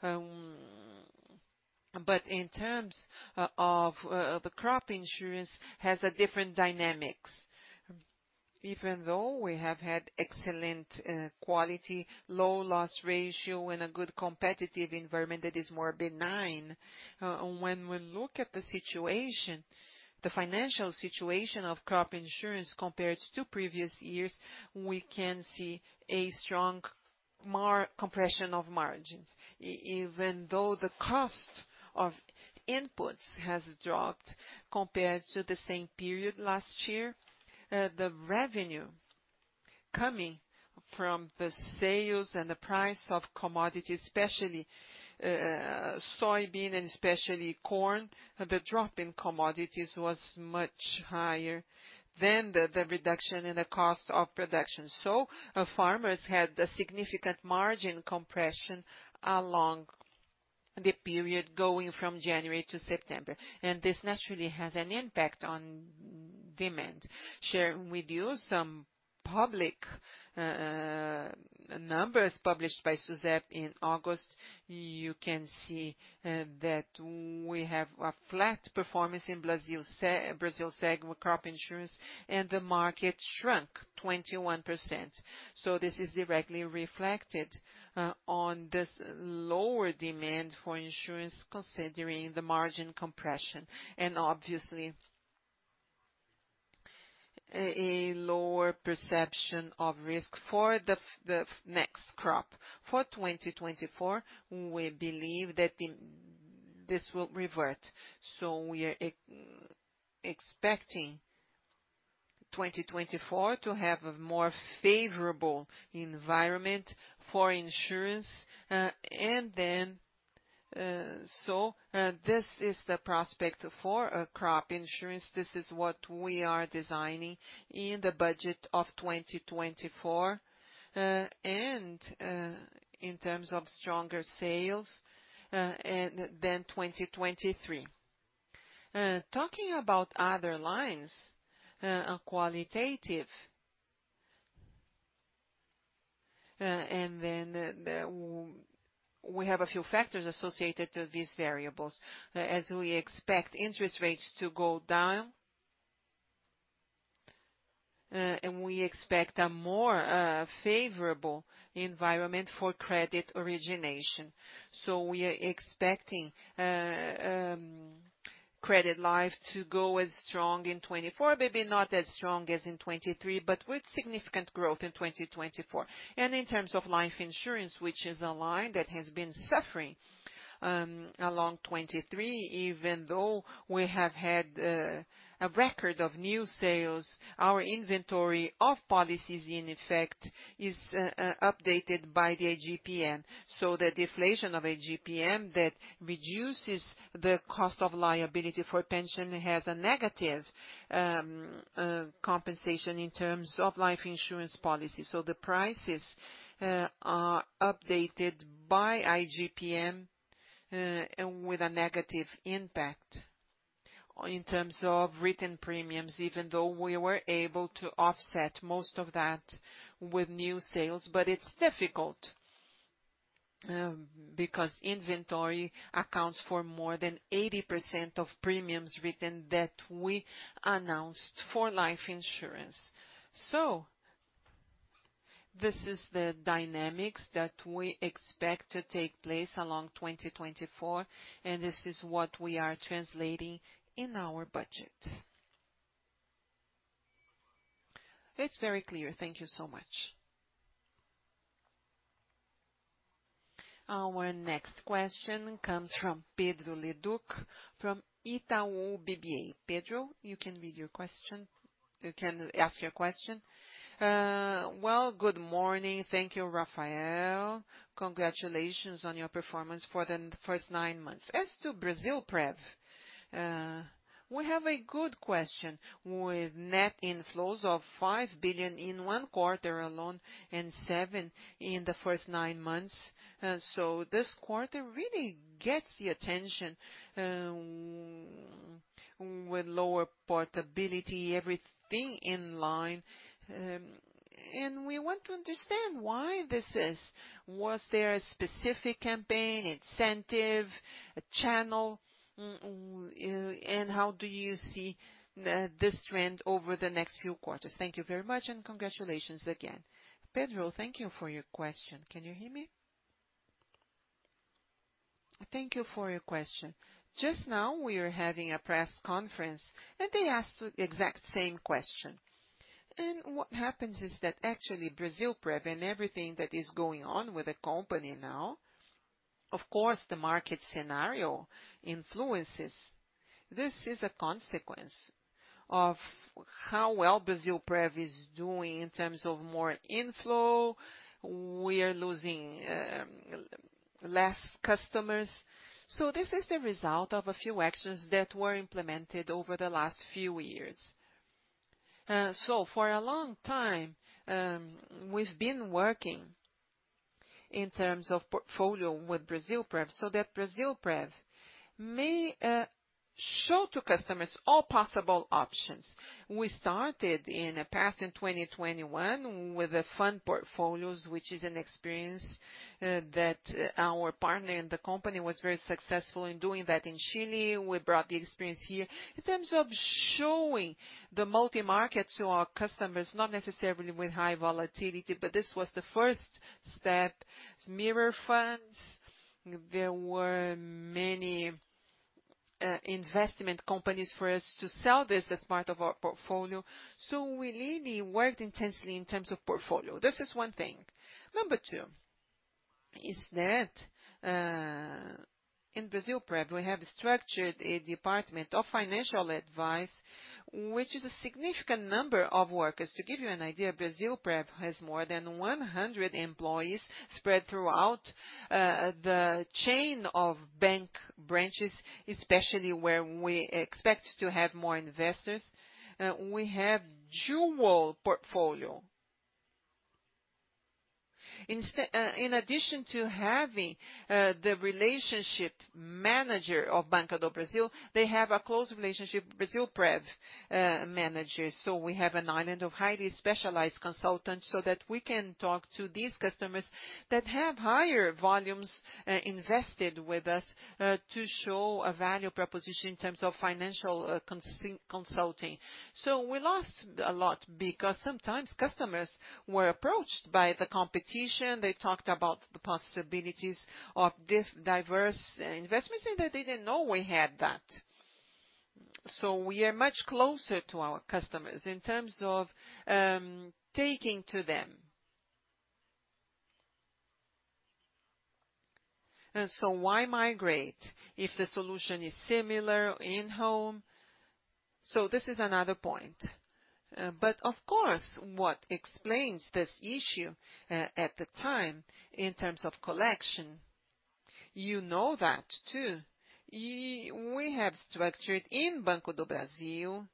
But in terms of, the crop insurance has a different dynamics. Even though we have had excellent quality, low loss ratio and a good competitive environment that is more benign, when we look at the situation, the financial situation of crop insurance compared to previous years, we can see more compression of margins. Even though the cost of inputs has dropped compared to the same period last year, the revenue coming from the sales and the price of commodities, especially soybean and especially corn, the drop in commodities was much higher than the reduction in the cost of production. So our farmers had a significant margin compression along the period going from January to September, and this naturally has an impact on demand. Sharing with you some public numbers published by SUSEP in August, you can see that we have a flat performance in Brasilseg crop insurance, and the market shrunk 21%. So this is directly reflected on this lower demand for insurance, considering the margin compression, and obviously a lower perception of risk for the next crop. For 2024, we believe that this will revert, so we are expecting 2024 to have a more favorable environment for insurance. This is the prospect for a crop insurance. This is what we are designing in the budget of 2024, in terms of stronger sales than 2023. Talking about other lines are qualitative. And then, we have a few factors associated to these variables. As we expect interest rates to go down, and we expect a more favorable environment for credit origination. So we are expecting credit life to go as strong in 2024, maybe not as strong as in 2023, but with significant growth in 2024. And in terms of life insurance, which is a line that has been suffering along 2023, even though we have had a record of new sales, our inventory of policies in effect is updated by the IGPM. So the deflation of IGPM, that reduces the cost of liability for pension, has a negative compensation in terms of life insurance policy. So the prices are updated by IGPM, with a negative impact in terms of written premiums, even though we were able to offset most of that with new sales. But it's difficult, because inventory accounts for more than 80% of premiums written that we announced for life insurance. So this is the dynamics that we expect to take place along 2024, and this is what we are translating in our budget. It's very clear. Thank you so much. Our next question comes from Pedro Leduc, from Itaú BBA. Pedro, you can read your question. You can ask your question. Well, good morning. Thank you, Rafael. Congratulations on your performance for the first nine months. As to Brasilprev, we have a good question. With net inflows of 5 billion in one quarter alone and 7 billion in the first nine months, so this quarter really gets the attention, with lower portability, everything in line, and we want to understand why this is. Was there a specific campaign, incentive, a channel? And how do you see this trend over the next few quarters? Thank you very much, and congratulations again. Pedro, thank you for your question. Can you hear me? Thank you for your question. Just now, we are having a press conference, and they asked the exact same question. And what happens is that actually Brasilprev and everything that is going on with the company now, of course, the market scenario influences. This is a consequence of how well Brasilprev is doing in terms of more inflow. We are losing less customers. So this is the result of a few actions that were implemented over the last few years. So for a long time, we've been working in terms of portfolio with Brasilprev, so that Brasilprev may show to customers all possible options. We started in the past, in 2021, with the fund portfolios, which is an experience that our partner in the company was very successful in doing that in Chile. We brought the experience here. In terms of showing the multi-market to our customers, not necessarily with high volatility, but this was the first step, mirror funds. There were many investment companies for us to sell this as part of our portfolio. So we really worked intensely in terms of portfolio. This is one thing. Number two, is that, in Brasilprev, we have structured a department of financial advice, which is a significant number of workers. To give you an idea, Brasilprev has more than 100 employees spread throughout, the chain of bank branches, especially where we expect to have more investors. We have dual portfolio. In addition to having, the relationship manager of Banco do Brasil, they have a close relationship Brasilprev, manager. So we have an island of highly specialized consultants, so that we can talk to these customers that have higher volumes, invested with us, to show a value proposition in terms of financial, consulting. So we lost a lot because sometimes customers were approached by the competition. They talked about the possibilities of diverse investments, and they didn't know we had that. So we are much closer to our customers in terms of taking to them. And so why migrate if the solution is similar in-home? So this is another point. But of course, what explains this issue at the time, in terms of collection, you know that, too. We have structured in Banco do Brasil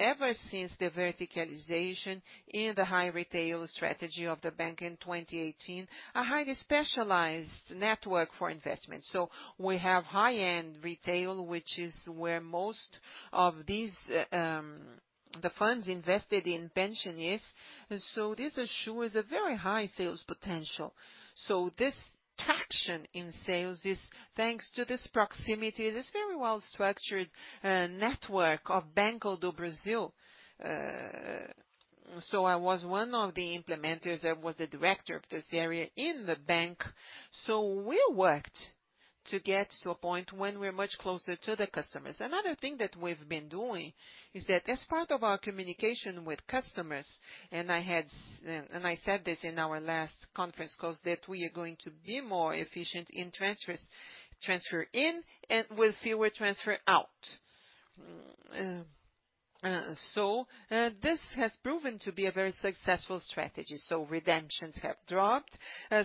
ever since the verticalization in the high retail strategy of the bank in 2018, a highly specialized network for investment. So we have high-end retail, which is where most of these the funds invested in pension is, so this assures a very high sales potential. So this traction in sales is thanks to this proximity, this very well-structured network of Banco do Brasil. So I was one of the implementers. I was the director of this area in the bank. So we worked to get to a point when we're much closer to the customers. Another thing that we've been doing is that as part of our communication with customers, and I said this in our last conference call, that we are going to be more efficient in transfers, transfer in and with fewer transfer out. So this has proven to be a very successful strategy. So redemptions have dropped,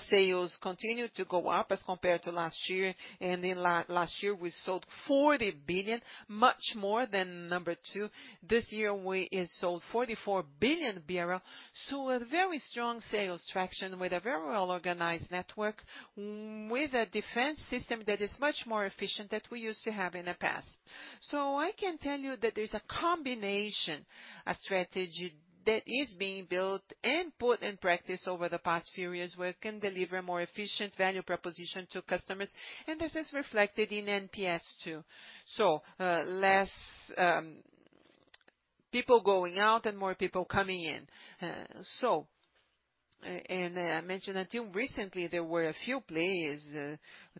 sales continue to go up as compared to last year, and in last year, we sold 40 billion BRL, much more than number two. This year, we sold 44 billion BRL, so a very strong sales traction with a very well-organized network, with a defense system that is much more efficient than we used to have in the past. So I can tell you that there's a combination, a strategy that is being built and put in practice over the past few years, where it can deliver more efficient value proposition to customers, and this is reflected in NPS, too. So, less people going out and more people coming in. So, and I mentioned until recently, there were a few players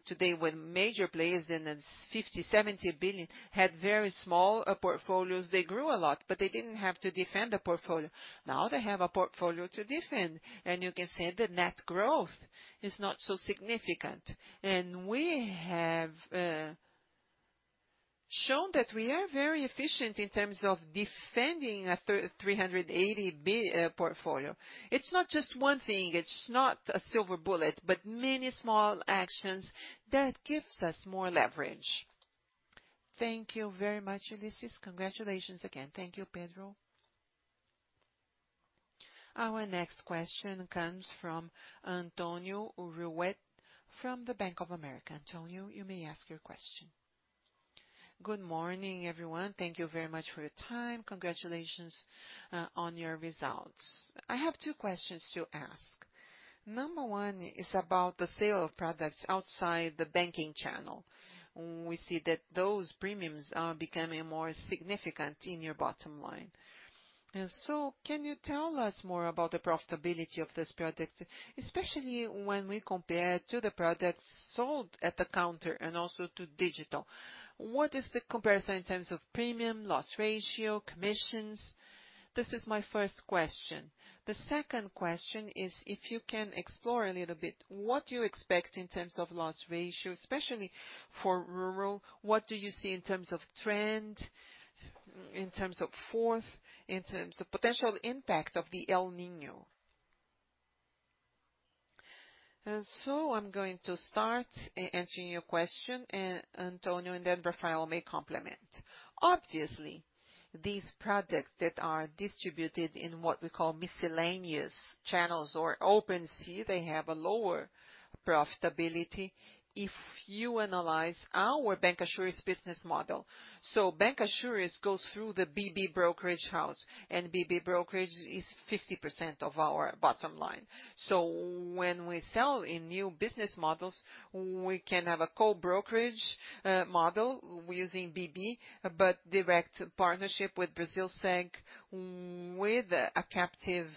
today, with major players in the 50 billon-BRL 70 billion, had very small portfolios. They grew a lot, but they didn't have to defend a portfolio. Now they have a portfolio to defend, and you can see the net growth is not so significant. And we have shown that we are very efficient in terms of defending a 380 billion portfolio. It's not just one thing, it's not a silver bullet, but many small actions that gives us more leverage. Thank you very much, Ullisses. Congratulations again. Thank you, Pedro. Our next question comes from Antonio Rueda, from the Bank of America. Antonio, you may ask your question. Good morning, everyone. Thank you very much for your time. Congratulations on your results. I have two questions to ask. Number one is about the sale of products outside the banking channel. We see that those premiums are becoming more significant in your bottom line. And so can you tell us more about the profitability of these products, especially when we compare to the products sold at the counter and also to digital? What is the comparison in terms of premium, loss ratio, commissions? This is my first question. The second question is, if you can explore a little bit, what do you expect in terms of loss ratio, especially for rural? What do you see in terms of trend, in terms of fourth, in terms of potential impact of the El Niño? And so I'm going to start answering your question, Antonio, and then Rafael may complement. Obviously, these products that are distributed in what we call miscellaneous channels or open sea, they have a lower profitability if you analyze our bancassurance business model. So bancassurance goes through the BB brokerage house, and BB brokerage is 50% of our bottom line. So when we sell in new business models, we can have a co-brokerage model using BB, but direct partnership with Brasilseg, with a captive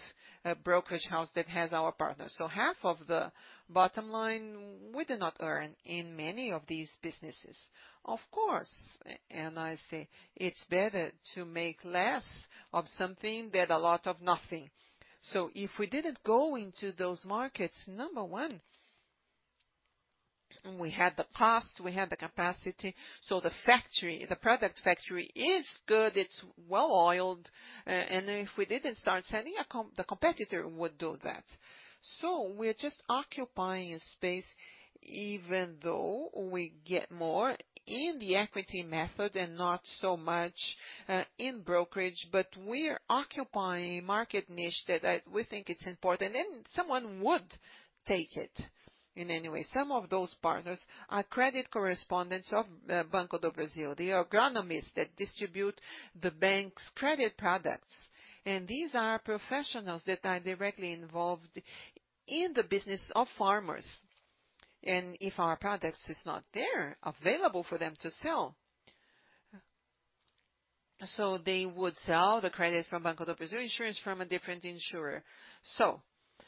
brokerage house that has our partner. So half of the bottom line, we do not earn in many of these businesses. Of course, and I say, it's better to make less of something than a lot of nothing. So if we didn't go into those markets, number one. We had the cost, we had the capacity. So the factory, the product factory is good, it's well-oiled, and if we didn't start selling, a competitor would do that. So we're just occupying a space, even though we get more in the equity method and not so much in brokerage, but we're occupying a market niche that we think it's important, and someone would take it. In any way, some of those partners are credit correspondents of Banco do Brasil, the agronomists that distribute the bank's credit products. And these are professionals that are directly involved in the business of farmers. And if our products is not there, available for them to sell, so they would sell the credit from Banco do Brasil insurance from a different insurer. So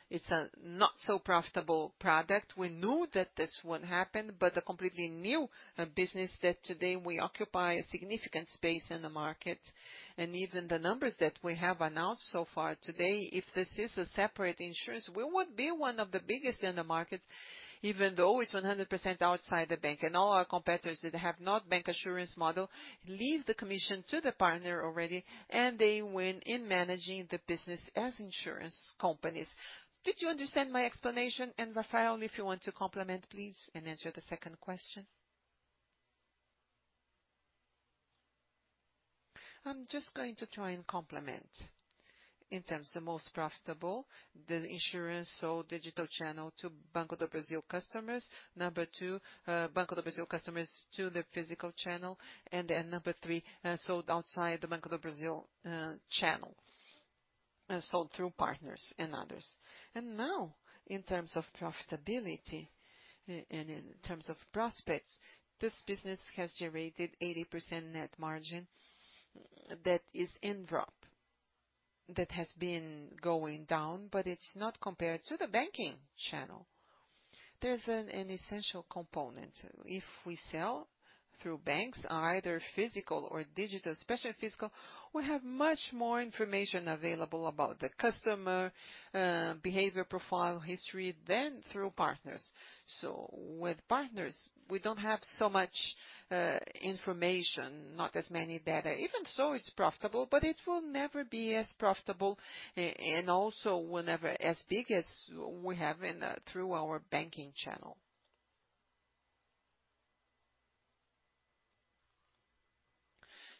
it's a not so profitable product. We knew that this would happen, but a completely new business that today we occupy a significant space in the market, and even the numbers that we have announced so far today, if this is a separate insurance, we would be one of the biggest in the market, even though it's 100% outside the bank. And all our competitors that have not bank insurance model, leave the commission to the partner already, and they win in managing the business as insurance companies. Did you understand my explanation? And Rafael, if you want to complement, please, and answer the second question. I'm just going to try and complement. In terms of the most profitable, the insurance or digital channel to Banco do Brasil customers. Number two, Banco do Brasil customers to the physical channel, and then number three, sold outside the Banco do Brasil channel, sold through partners and others. And now, in terms of profitability and in terms of prospects, this business has generated 80% net margin that is in drop, that has been going down, but it's not compared to the banking channel. There's an essential component. If we sell through banks, either physical or digital, especially physical, we have much more information available about the customer behavior profile history than through partners. So with partners, we don't have so much information, not as many data. Even so, it's profitable, but it will never be as profitable and also whenever as big as we have in through our banking channel.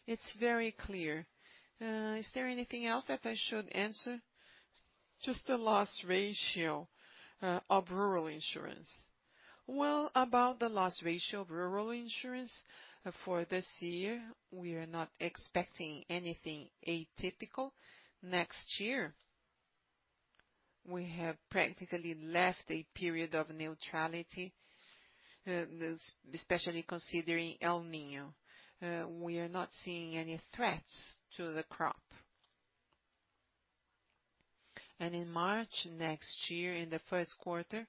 It's very clear. Is there anything else that I should answer? Just the loss ratio of rural insurance. Well, about the loss ratio of rural insurance, for this year, we are not expecting anything atypical. Next year, we have practically left a period of neutrality, especially considering El Niño. We are not seeing any threats to the crop. And in March next year, in the first quarter,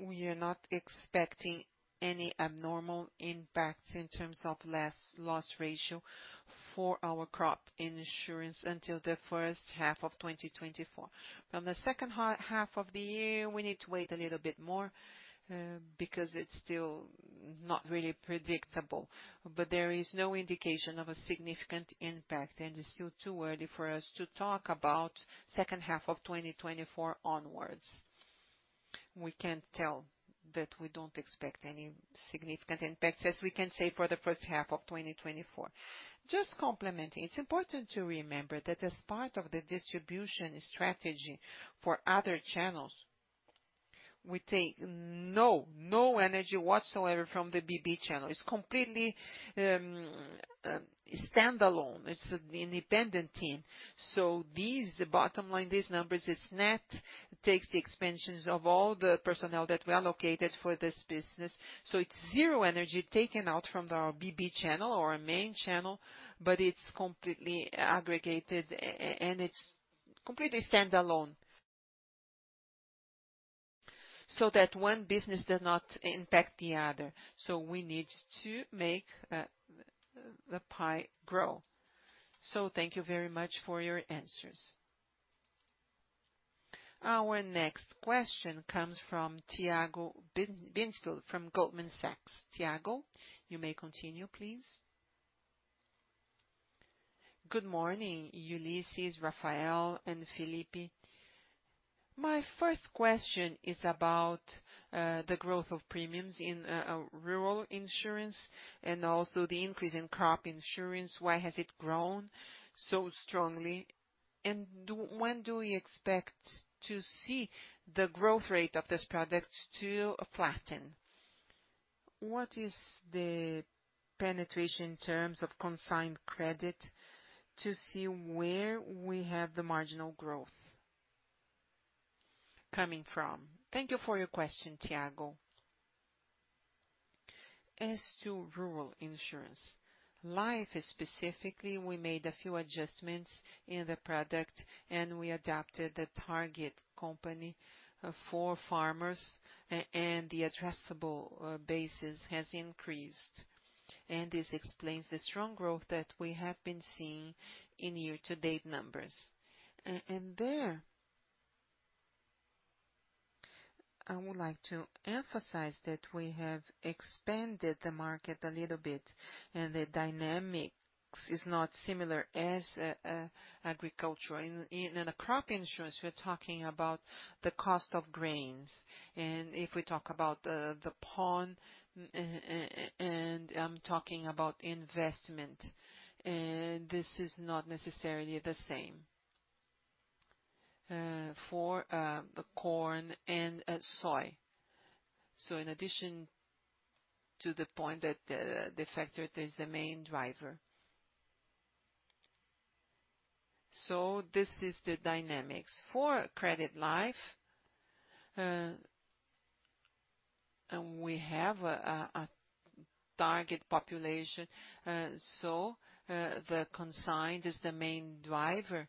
we are not expecting any abnormal impacts in terms of less loss ratio for our crop insurance until the first half of 2024. From the second half of the year, we need to wait a little bit more, because it's still not really predictable, but there is no indication of a significant impact, and it's still too early for us to talk about second half of 2024 onwards. We can't tell that we don't expect any significant impacts, as we can say, for the first half of 2024. Just complementing, it's important to remember that as part of the distribution strategy for other channels, we take no, no energy whatsoever from the BB channel. It's completely standalone. It's an independent team. So these, the bottom line, these numbers, it's net, takes the expansions of all the personnel that we allocated for this business. So it's zero energy taken out from our BB channel or our main channel, but it's completely aggregated and it's completely standalone. So that one business does not impact the other. So we need to make the pie grow. So thank you very much for your answers. Our next question comes from Tiago Binsfeld from Goldman Sachs. Tiago, you may continue, please. Good morning, Ullisses, Rafael, and Felipe. My first question is about the growth of premiums in rural insurance and also the increase in crop insurance. Why has it grown so strongly? And when do we expect to see the growth rate of this product to flatten? What is the penetration in terms of consigned credit to see where we have the marginal growth coming from? Thank you for your question, Tiago. As to rural insurance, life specifically, we made a few adjustments in the product, and we adapted the target company for farmers, and the addressable bases has increased.... And this explains the strong growth that we have been seeing in year-to-date numbers. There, I would like to emphasize that we have expanded the market a little bit, and the dynamics is not similar as agriculture. In the crop insurance, we're talking about the cost of grains, and if we talk about the pawn and talking about investment, and this is not necessarily the same for the corn and soy. So in addition to the point that the factor is the main driver. So this is the dynamics. For credit life, we have a target population, so the consigned is the main driver,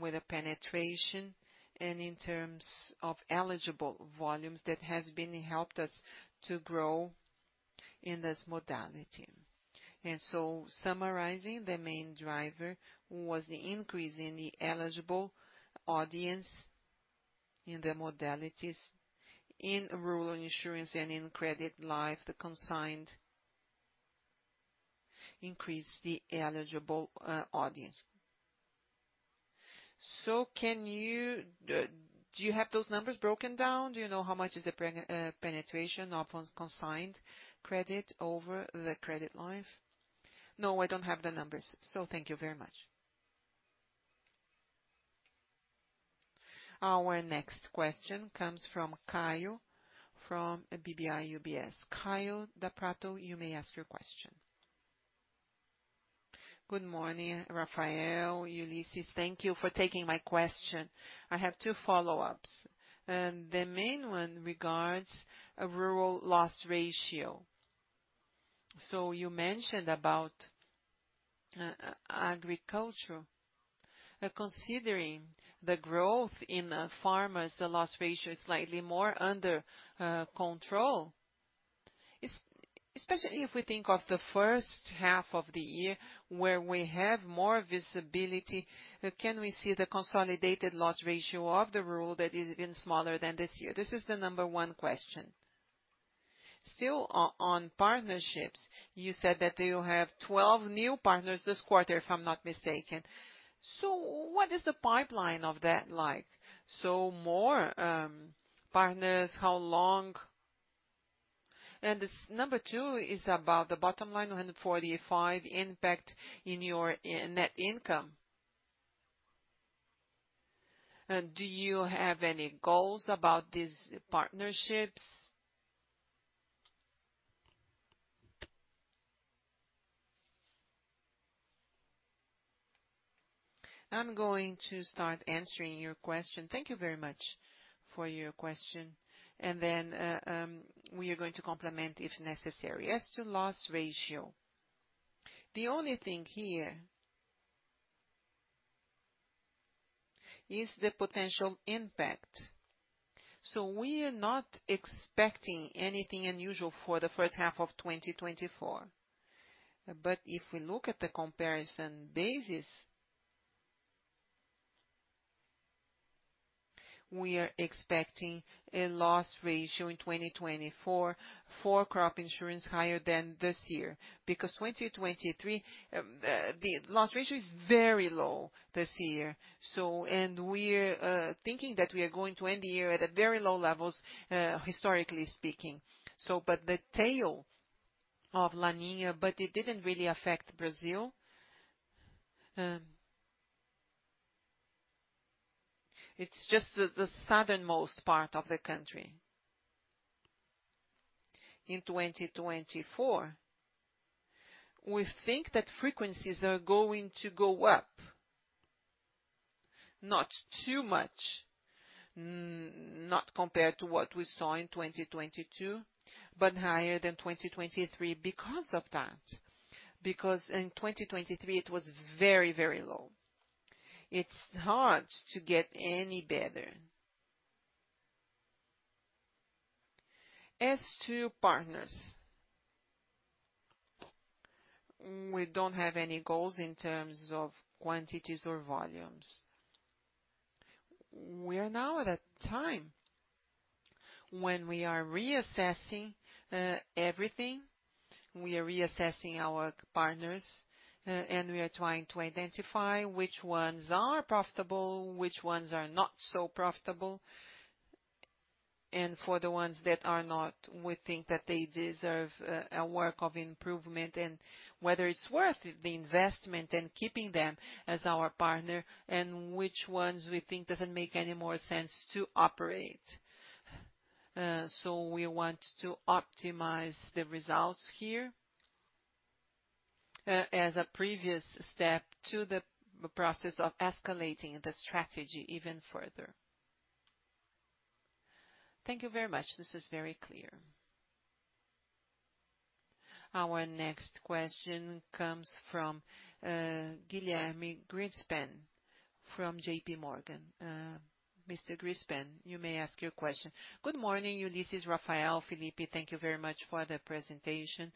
with a penetration, and in terms of eligible volumes, that has been helped us to grow in this modality. Summarizing, the main driver was the increase in the eligible audience in the modalities, in rural insurance and in credit life, the consigned increase the eligible audience. So, do you have those numbers broken down? Do you know how much is the penetration of consigned credit over the credit life? No, I don't have the numbers. So thank you very much. Our next question comes from Kaio, from UBS BBI. Kaio da Prato, you may ask your question. Good morning, Rafael, Ullisses. Thank you for taking my question. I have two follow-ups, and the main one regards a rural loss ratio. So you mentioned about agriculture. Considering the growth in farmers, the loss ratio is slightly more under control, especially if we think of the first half of the year, where we have more visibility, can we see the consolidated loss ratio of the rural that is even smaller than this year? This is the number one question. Still on partnerships, you said that you have 12 new partners this quarter, if I'm not mistaken. So what is the pipeline of that like? So more partners, how long? And this number two is about the bottom line, 145 impact in your net income. Do you have any goals about these partnerships? I'm going to start answering your question. Thank you very much for your question, and then we are going to complement if necessary. As to loss ratio, the only thing here is the potential impact. So we are not expecting anything unusual for the first half of 2024. But if we look at the comparison basis, we are expecting a loss ratio in 2024 for crop insurance higher than this year, because 2023, the loss ratio is very low this year. So, and we're thinking that we are going to end the year at a very low levels, historically speaking. So, but the tail of La Niña, but it didn't really affect Brazil. It's just the southernmost part of the country. In 2024, we think that frequencies are going to go up, not too much, not compared to what we saw in 2022, but higher than 2023 because of that, because in 2023, it was very, very low. It's hard to get any better. As to partners, we don't have any goals in terms of quantities or volumes. We are now at a time when we are reassessing everything. We are reassessing our partners and we are trying to identify which ones are profitable, which ones are not so profitable. For the ones that are not, we think that they deserve a work of improvement and whether it's worth the investment and keeping them as our partner, and which ones we think doesn't make any more sense to operate. So we want to optimize the results here as a previous step to the process of escalating the strategy even further. Thank you very much. This is very clear. Our next question comes from Guilherme Grespan from J.P. Morgan. Mr. Grespan, you may ask your question. Good morning, Ullisses, Rafael, Felipe. Thank you very much for the presentation.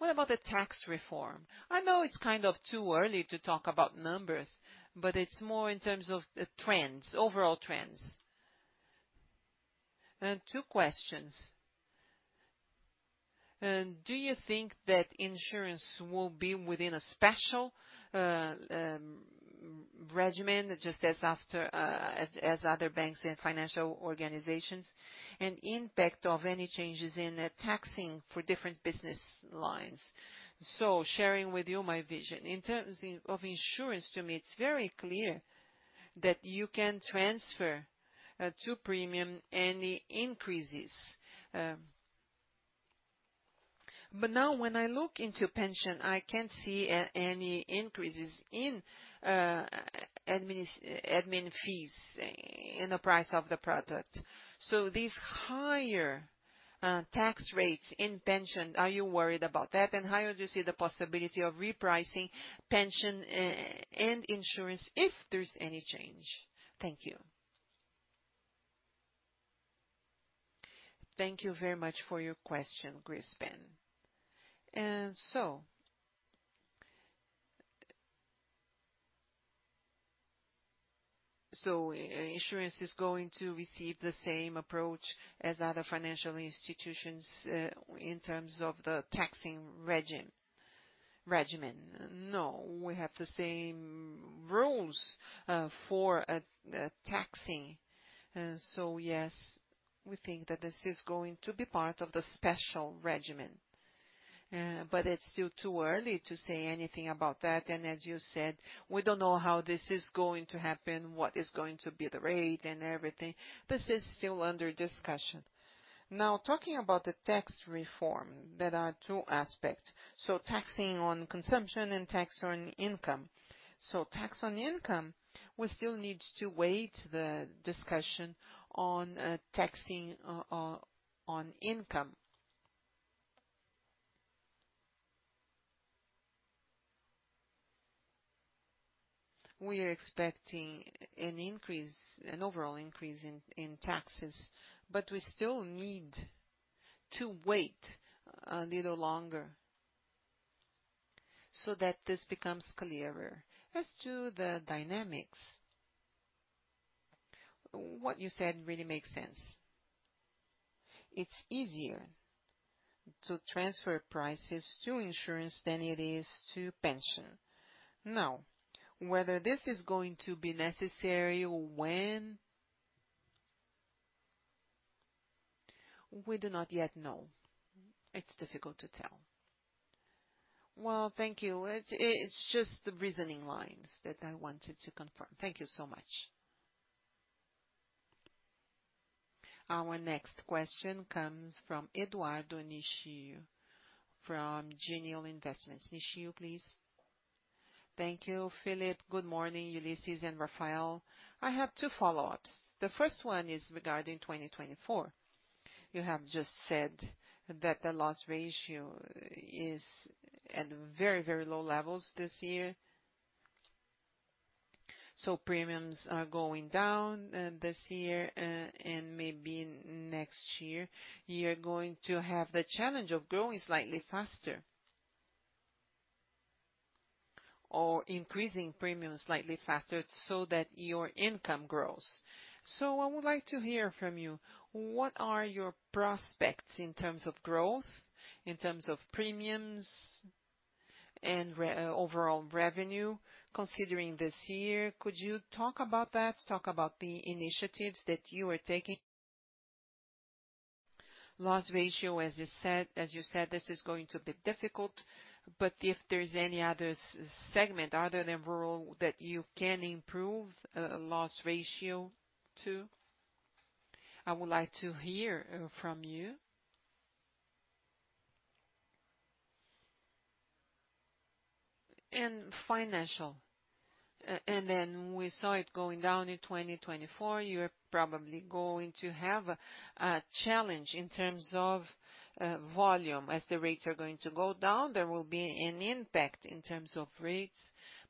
What about the tax reform? I know it's kind of too early to talk about numbers, but it's more in terms of the trends, overall trends. Two questions: do you think that insurance will be within a special regime, just as other banks and financial organizations, and impact of any changes in the taxing for different business lines? So sharing with you my vision. In terms of insurance, to me, it's very clear that you can transfer to premium any increases. But now, when I look into pension, I can't see any increases in admin fees in the price of the product. So these higher tax rates in pension, are you worried about that? And how would you see the possibility of repricing pension, and insurance if there's any change? Thank you. Thank you very much for your question, Grespan. So, insurance is going to receive the same approach as other financial institutions, in terms of the taxing regimen. No, we have the same rules, for taxing. So yes, we think that this is going to be part of the special regimen. But it's still too early to say anything about that, and as you said, we don't know how this is going to happen, what is going to be the rate and everything. This is still under discussion. Now, talking about the tax reform, there are two aspects: so taxing on consumption and tax on income. So tax on income, we still need to wait the discussion on, taxing, on income. We are expecting an increase - an overall increase in taxes, but we still need to wait a little longer so that this becomes clearer. As to the dynamics, what you said really makes sense. It's easier to transfer prices to insurance than it is to pension. Now, whether this is going to be necessary or when, we do not yet know. It's difficult to tell. Well, thank you. It, it's just the reasoning lines that I wanted to confirm. Thank you so much. Our next question comes from Eduardo Nishio, from Genial Investimentos. Nishio, please. Thank you, Felipe. Good morning, Ulisses and Rafael. I have two follow-ups. The first one is regarding 2024. You have just said that the loss ratio is at very, very low levels this year. So premiums are going down this year and maybe next year. You're going to have the challenge of growing slightly faster or increasing premiums slightly faster so that your income grows. So I would like to hear from you, what are your prospects in terms of growth, in terms of premiums and overall revenue, considering this year? Could you talk about that? Talk about the initiatives that you are taking. Loss ratio, as you said, as you said, this is going to be difficult, but if there's any other segment other than rural, that you can improve loss ratio to, I would like to hear from you. And financial, and then we saw it going down in 2024. You're probably going to have a challenge in terms of volume. As the rates are going to go down, there will be an impact in terms of rates,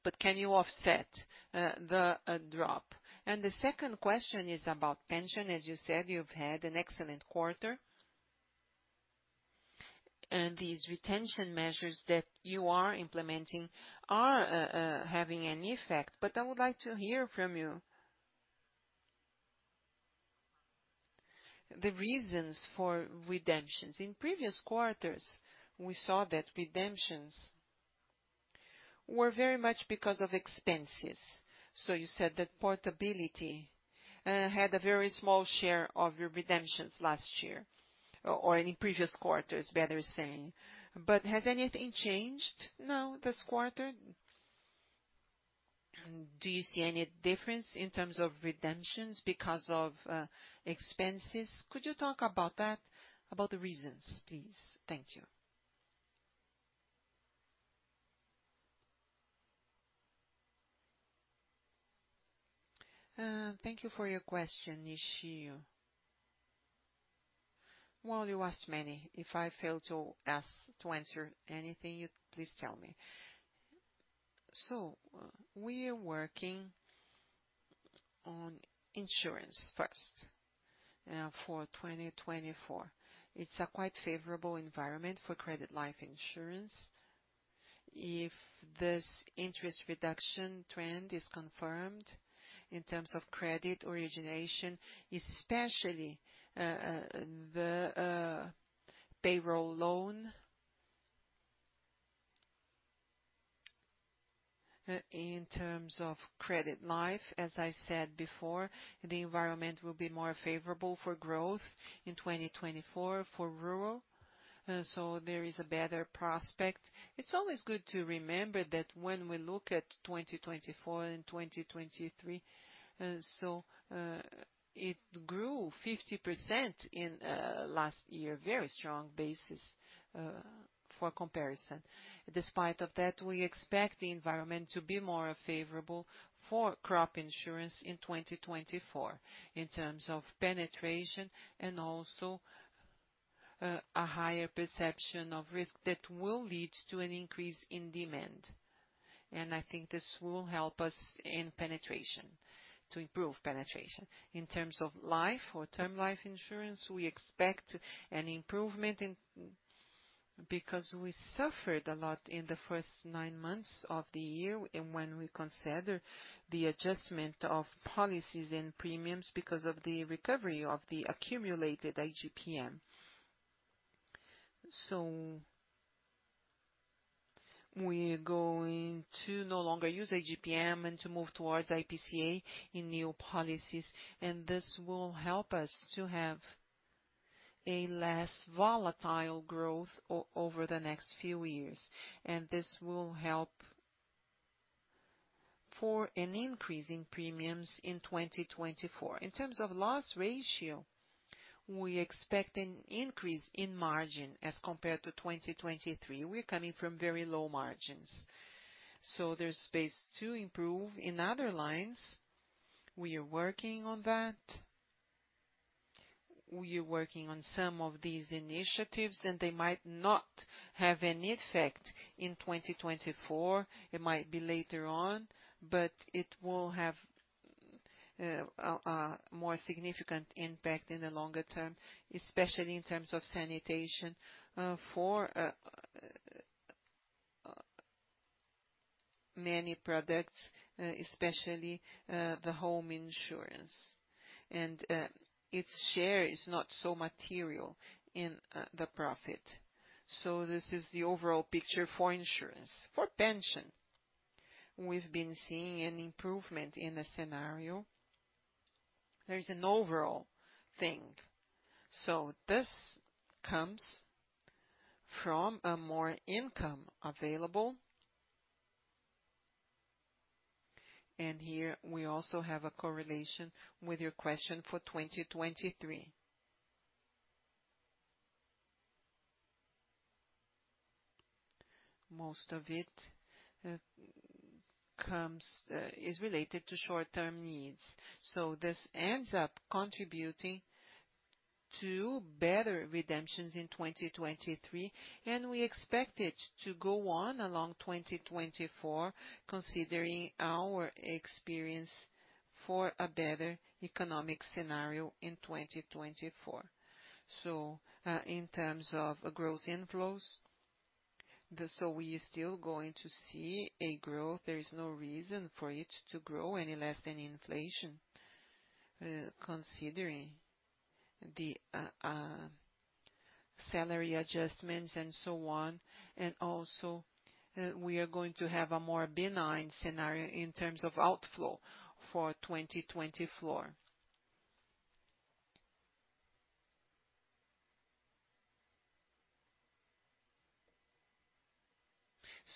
but can you offset the drop? And the second question is about pension. As you said, you've had an excellent quarter, and these retention measures that you are implementing are having an effect, but I would like to hear from you the reasons for redemptions. In previous quarters, we saw that redemptions were very much because of expenses. So you said that portability had a very small share of your redemptions last year, or in previous quarters, better saying. But has anything changed now this quarter? Do you see any difference in terms of redemptions because of expenses? Could you talk about that, about the reasons, please? Thank you. Thank you for your question, Nishio... Well, you asked many. If I fail to answer anything, please tell me. We are working on insurance first, for 2024. It's a quite favorable environment for credit life insurance. If this interest reduction trend is confirmed in terms of credit origination, especially, the payroll loan. In terms of credit life, as I said before, the environment will be more favorable for growth in 2024 for rural, so there is a better prospect. It's always good to remember that when we look at 2024 and 2023, so, it grew 50% in last year. Very strong basis, for comparison. Despite of that, we expect the environment to be more favorable for crop insurance in 2024, in terms of penetration and also, a higher perception of risk that will lead to an increase in demand. I think this will help us in penetration, to improve penetration. In terms of life or term life insurance, we expect an improvement in, because we suffered a lot in the first nine months of the year, and when we consider the adjustment of policies and premiums because of the recovery of the accumulated IGPM. So we are going to no longer use IGPM and to move towards IPCA in new policies, and this will help us to have a less volatile growth over the next few years, and this will help for an increase in premiums in 2024. In terms of loss ratio, we expect an increase in margin as compared to 2023. We're coming from very low margins, so there's space to improve. In other lines, we are working on that. We are working on some of these initiatives, and they might not have an effect in 2024. It might be later on, but it will have a more significant impact in the longer term, especially in terms of sanitation for many products, especially the home insurance. And its share is not so material in the profit. So this is the overall picture for insurance. For pension, we've been seeing an improvement in the scenario. There's an overall thing. So this comes from more income available. And here we also have a correlation with your question for 2023. Most of it is related to short-term needs. So this ends up contributing to better redemptions in 2023, and we expect it to go on along 2024, considering our experience for a better economic scenario in 2024. So, in terms of gross inflows, we are still going to see a growth. There is no reason for it to grow any less than inflation, considering the salary adjustments and so on. And also, we are going to have a more benign scenario in terms of outflow for 2024.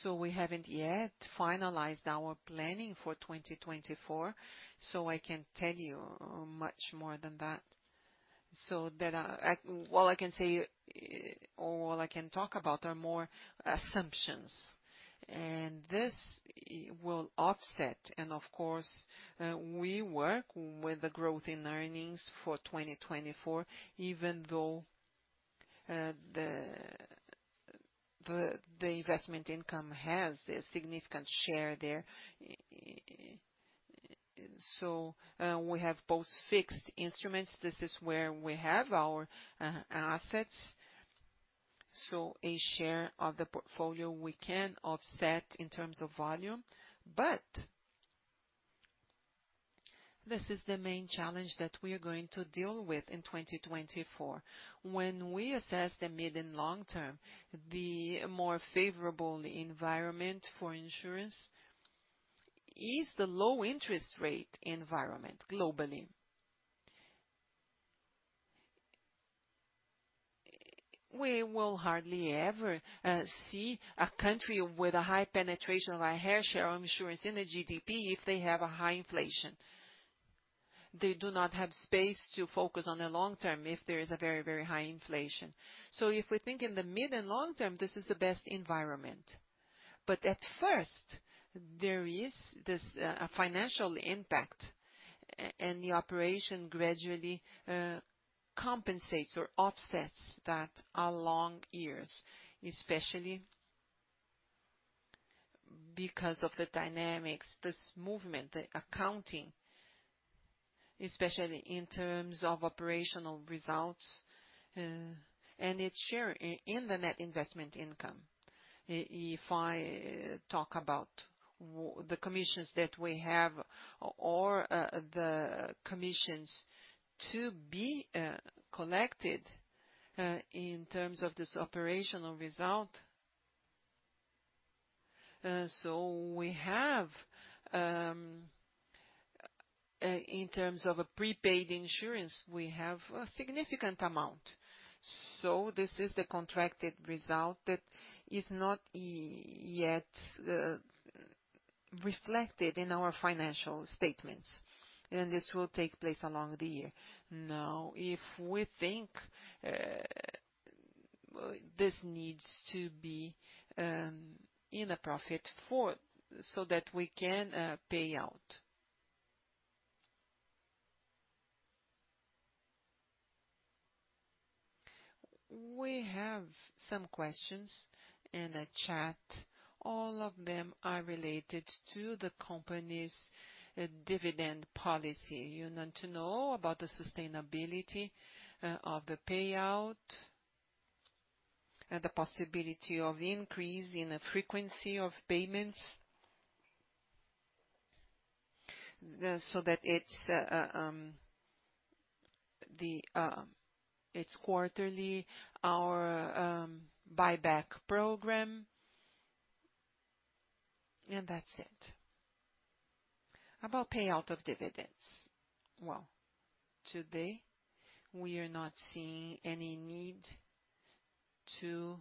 So we haven't yet finalized our planning for 2024, so I can't tell you much more than that. So that, I—what I can say, or what I can talk about are more assumptions, and this will offset. Of course, we work with the growth in earnings for 2024, even though the investment income has a significant share there. So, we have both fixed instruments. This is where we have our assets. So a share of the portfolio we can offset in terms of volume, but this is the main challenge that we are going to deal with in 2024. When we assess the mid and long term, the more favorable environment for insurance is the low interest rate environment globally. We will hardly ever see a country with a high penetration of a higher share of insurance in the GDP if they have a high inflation. They do not have space to focus on the long term if there is a very, very high inflation. So if we think in the mid and long term, this is the best environment. But at first, there is this, a financial impact, and the operation gradually compensates or offsets that along years, especially because of the dynamics, this movement, the accounting, especially in terms of operational results, and it's shared in the net investment income. If I talk about the commissions that we have or the commissions to be collected in terms of this operational result. So we have, in terms of a prepaid insurance, we have a significant amount, so this is the contracted result that is not yet reflected in our financial statements, and this will take place along the year. Now, if we think, this needs to be in a profit so that we can pay out. We have some questions in the chat. All of them are related to the company's dividend policy. You want to know about the sustainability of the payout, the possibility of increase in the frequency of payments, so that it's quarterly, our buyback program, and that's it. About payout of dividends. Well, today, we are not seeing any need to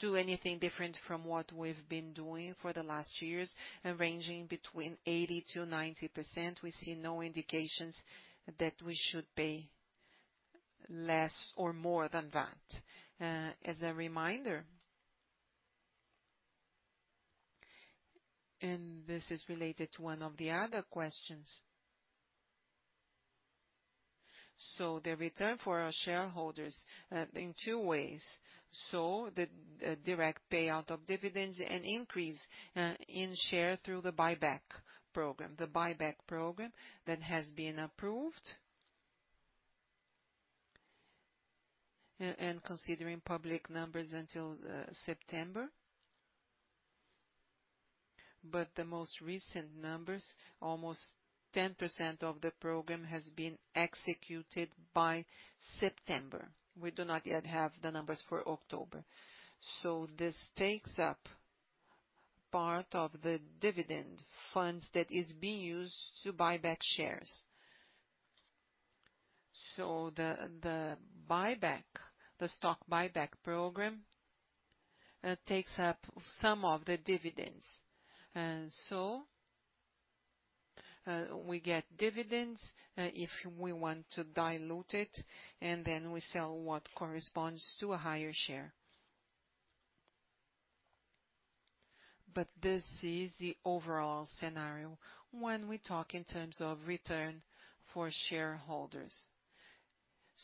do anything different from what we've been doing for the last years, and ranging between 80%-90%, we see no indications that we should pay less or more than that. As a reminder, and this is related to one of the other questions. So the return for our shareholders in two ways, so the direct payout of dividends and increase in share through the buyback program. The buyback program that has been approved, and considering public numbers until September, but the most recent numbers, almost 10% of the program has been executed by September. We do not yet have the numbers for October. So this takes up part of the dividend funds that is being used to buy back shares. So the, the buyback, the stock buyback program, takes up some of the dividends. And so, we get dividends, if we want to dilute it, and then we sell what corresponds to a higher share. But this is the overall scenario when we talk in terms of return for shareholders.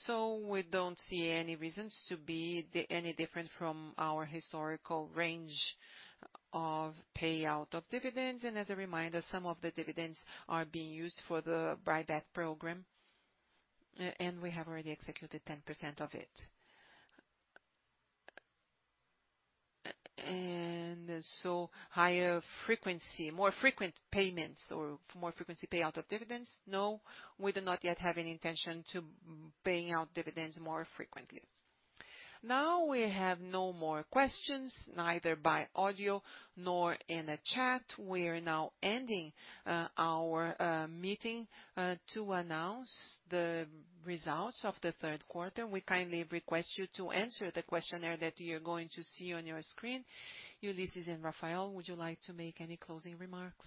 So we don't see any reasons to be any different from our historical range of payout of dividends, and as a reminder, some of the dividends are being used for the buyback program, and we have already executed 10% of it. And so higher frequency, more frequent payments, or more frequency payout of dividends, no, we do not yet have any intention to paying out dividends more frequently. Now, we have no more questions, neither by audio nor in the chat. We are now ending our meeting to announce the results of the third quarter. We kindly request you to answer the questionnaire that you're going to see on your screen. Ullisses and Rafael, would you like to make any closing remarks?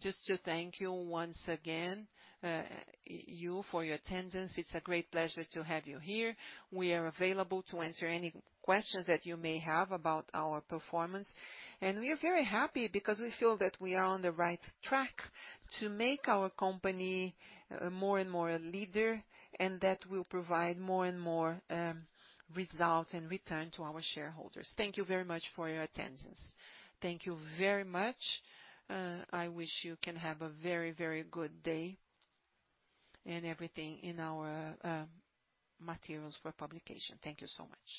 Just to thank you once again, you, for your attendance. It's a great pleasure to have you here. We are available to answer any questions that you may have about our performance, and we are very happy because we feel that we are on the right track to make our company more and more a leader, and that will provide more and more results and return to our shareholders. Thank you very much for your attendance. Thank you very much. I wish you can have a very, very good day and everything in our materials for publication. Thank you so much.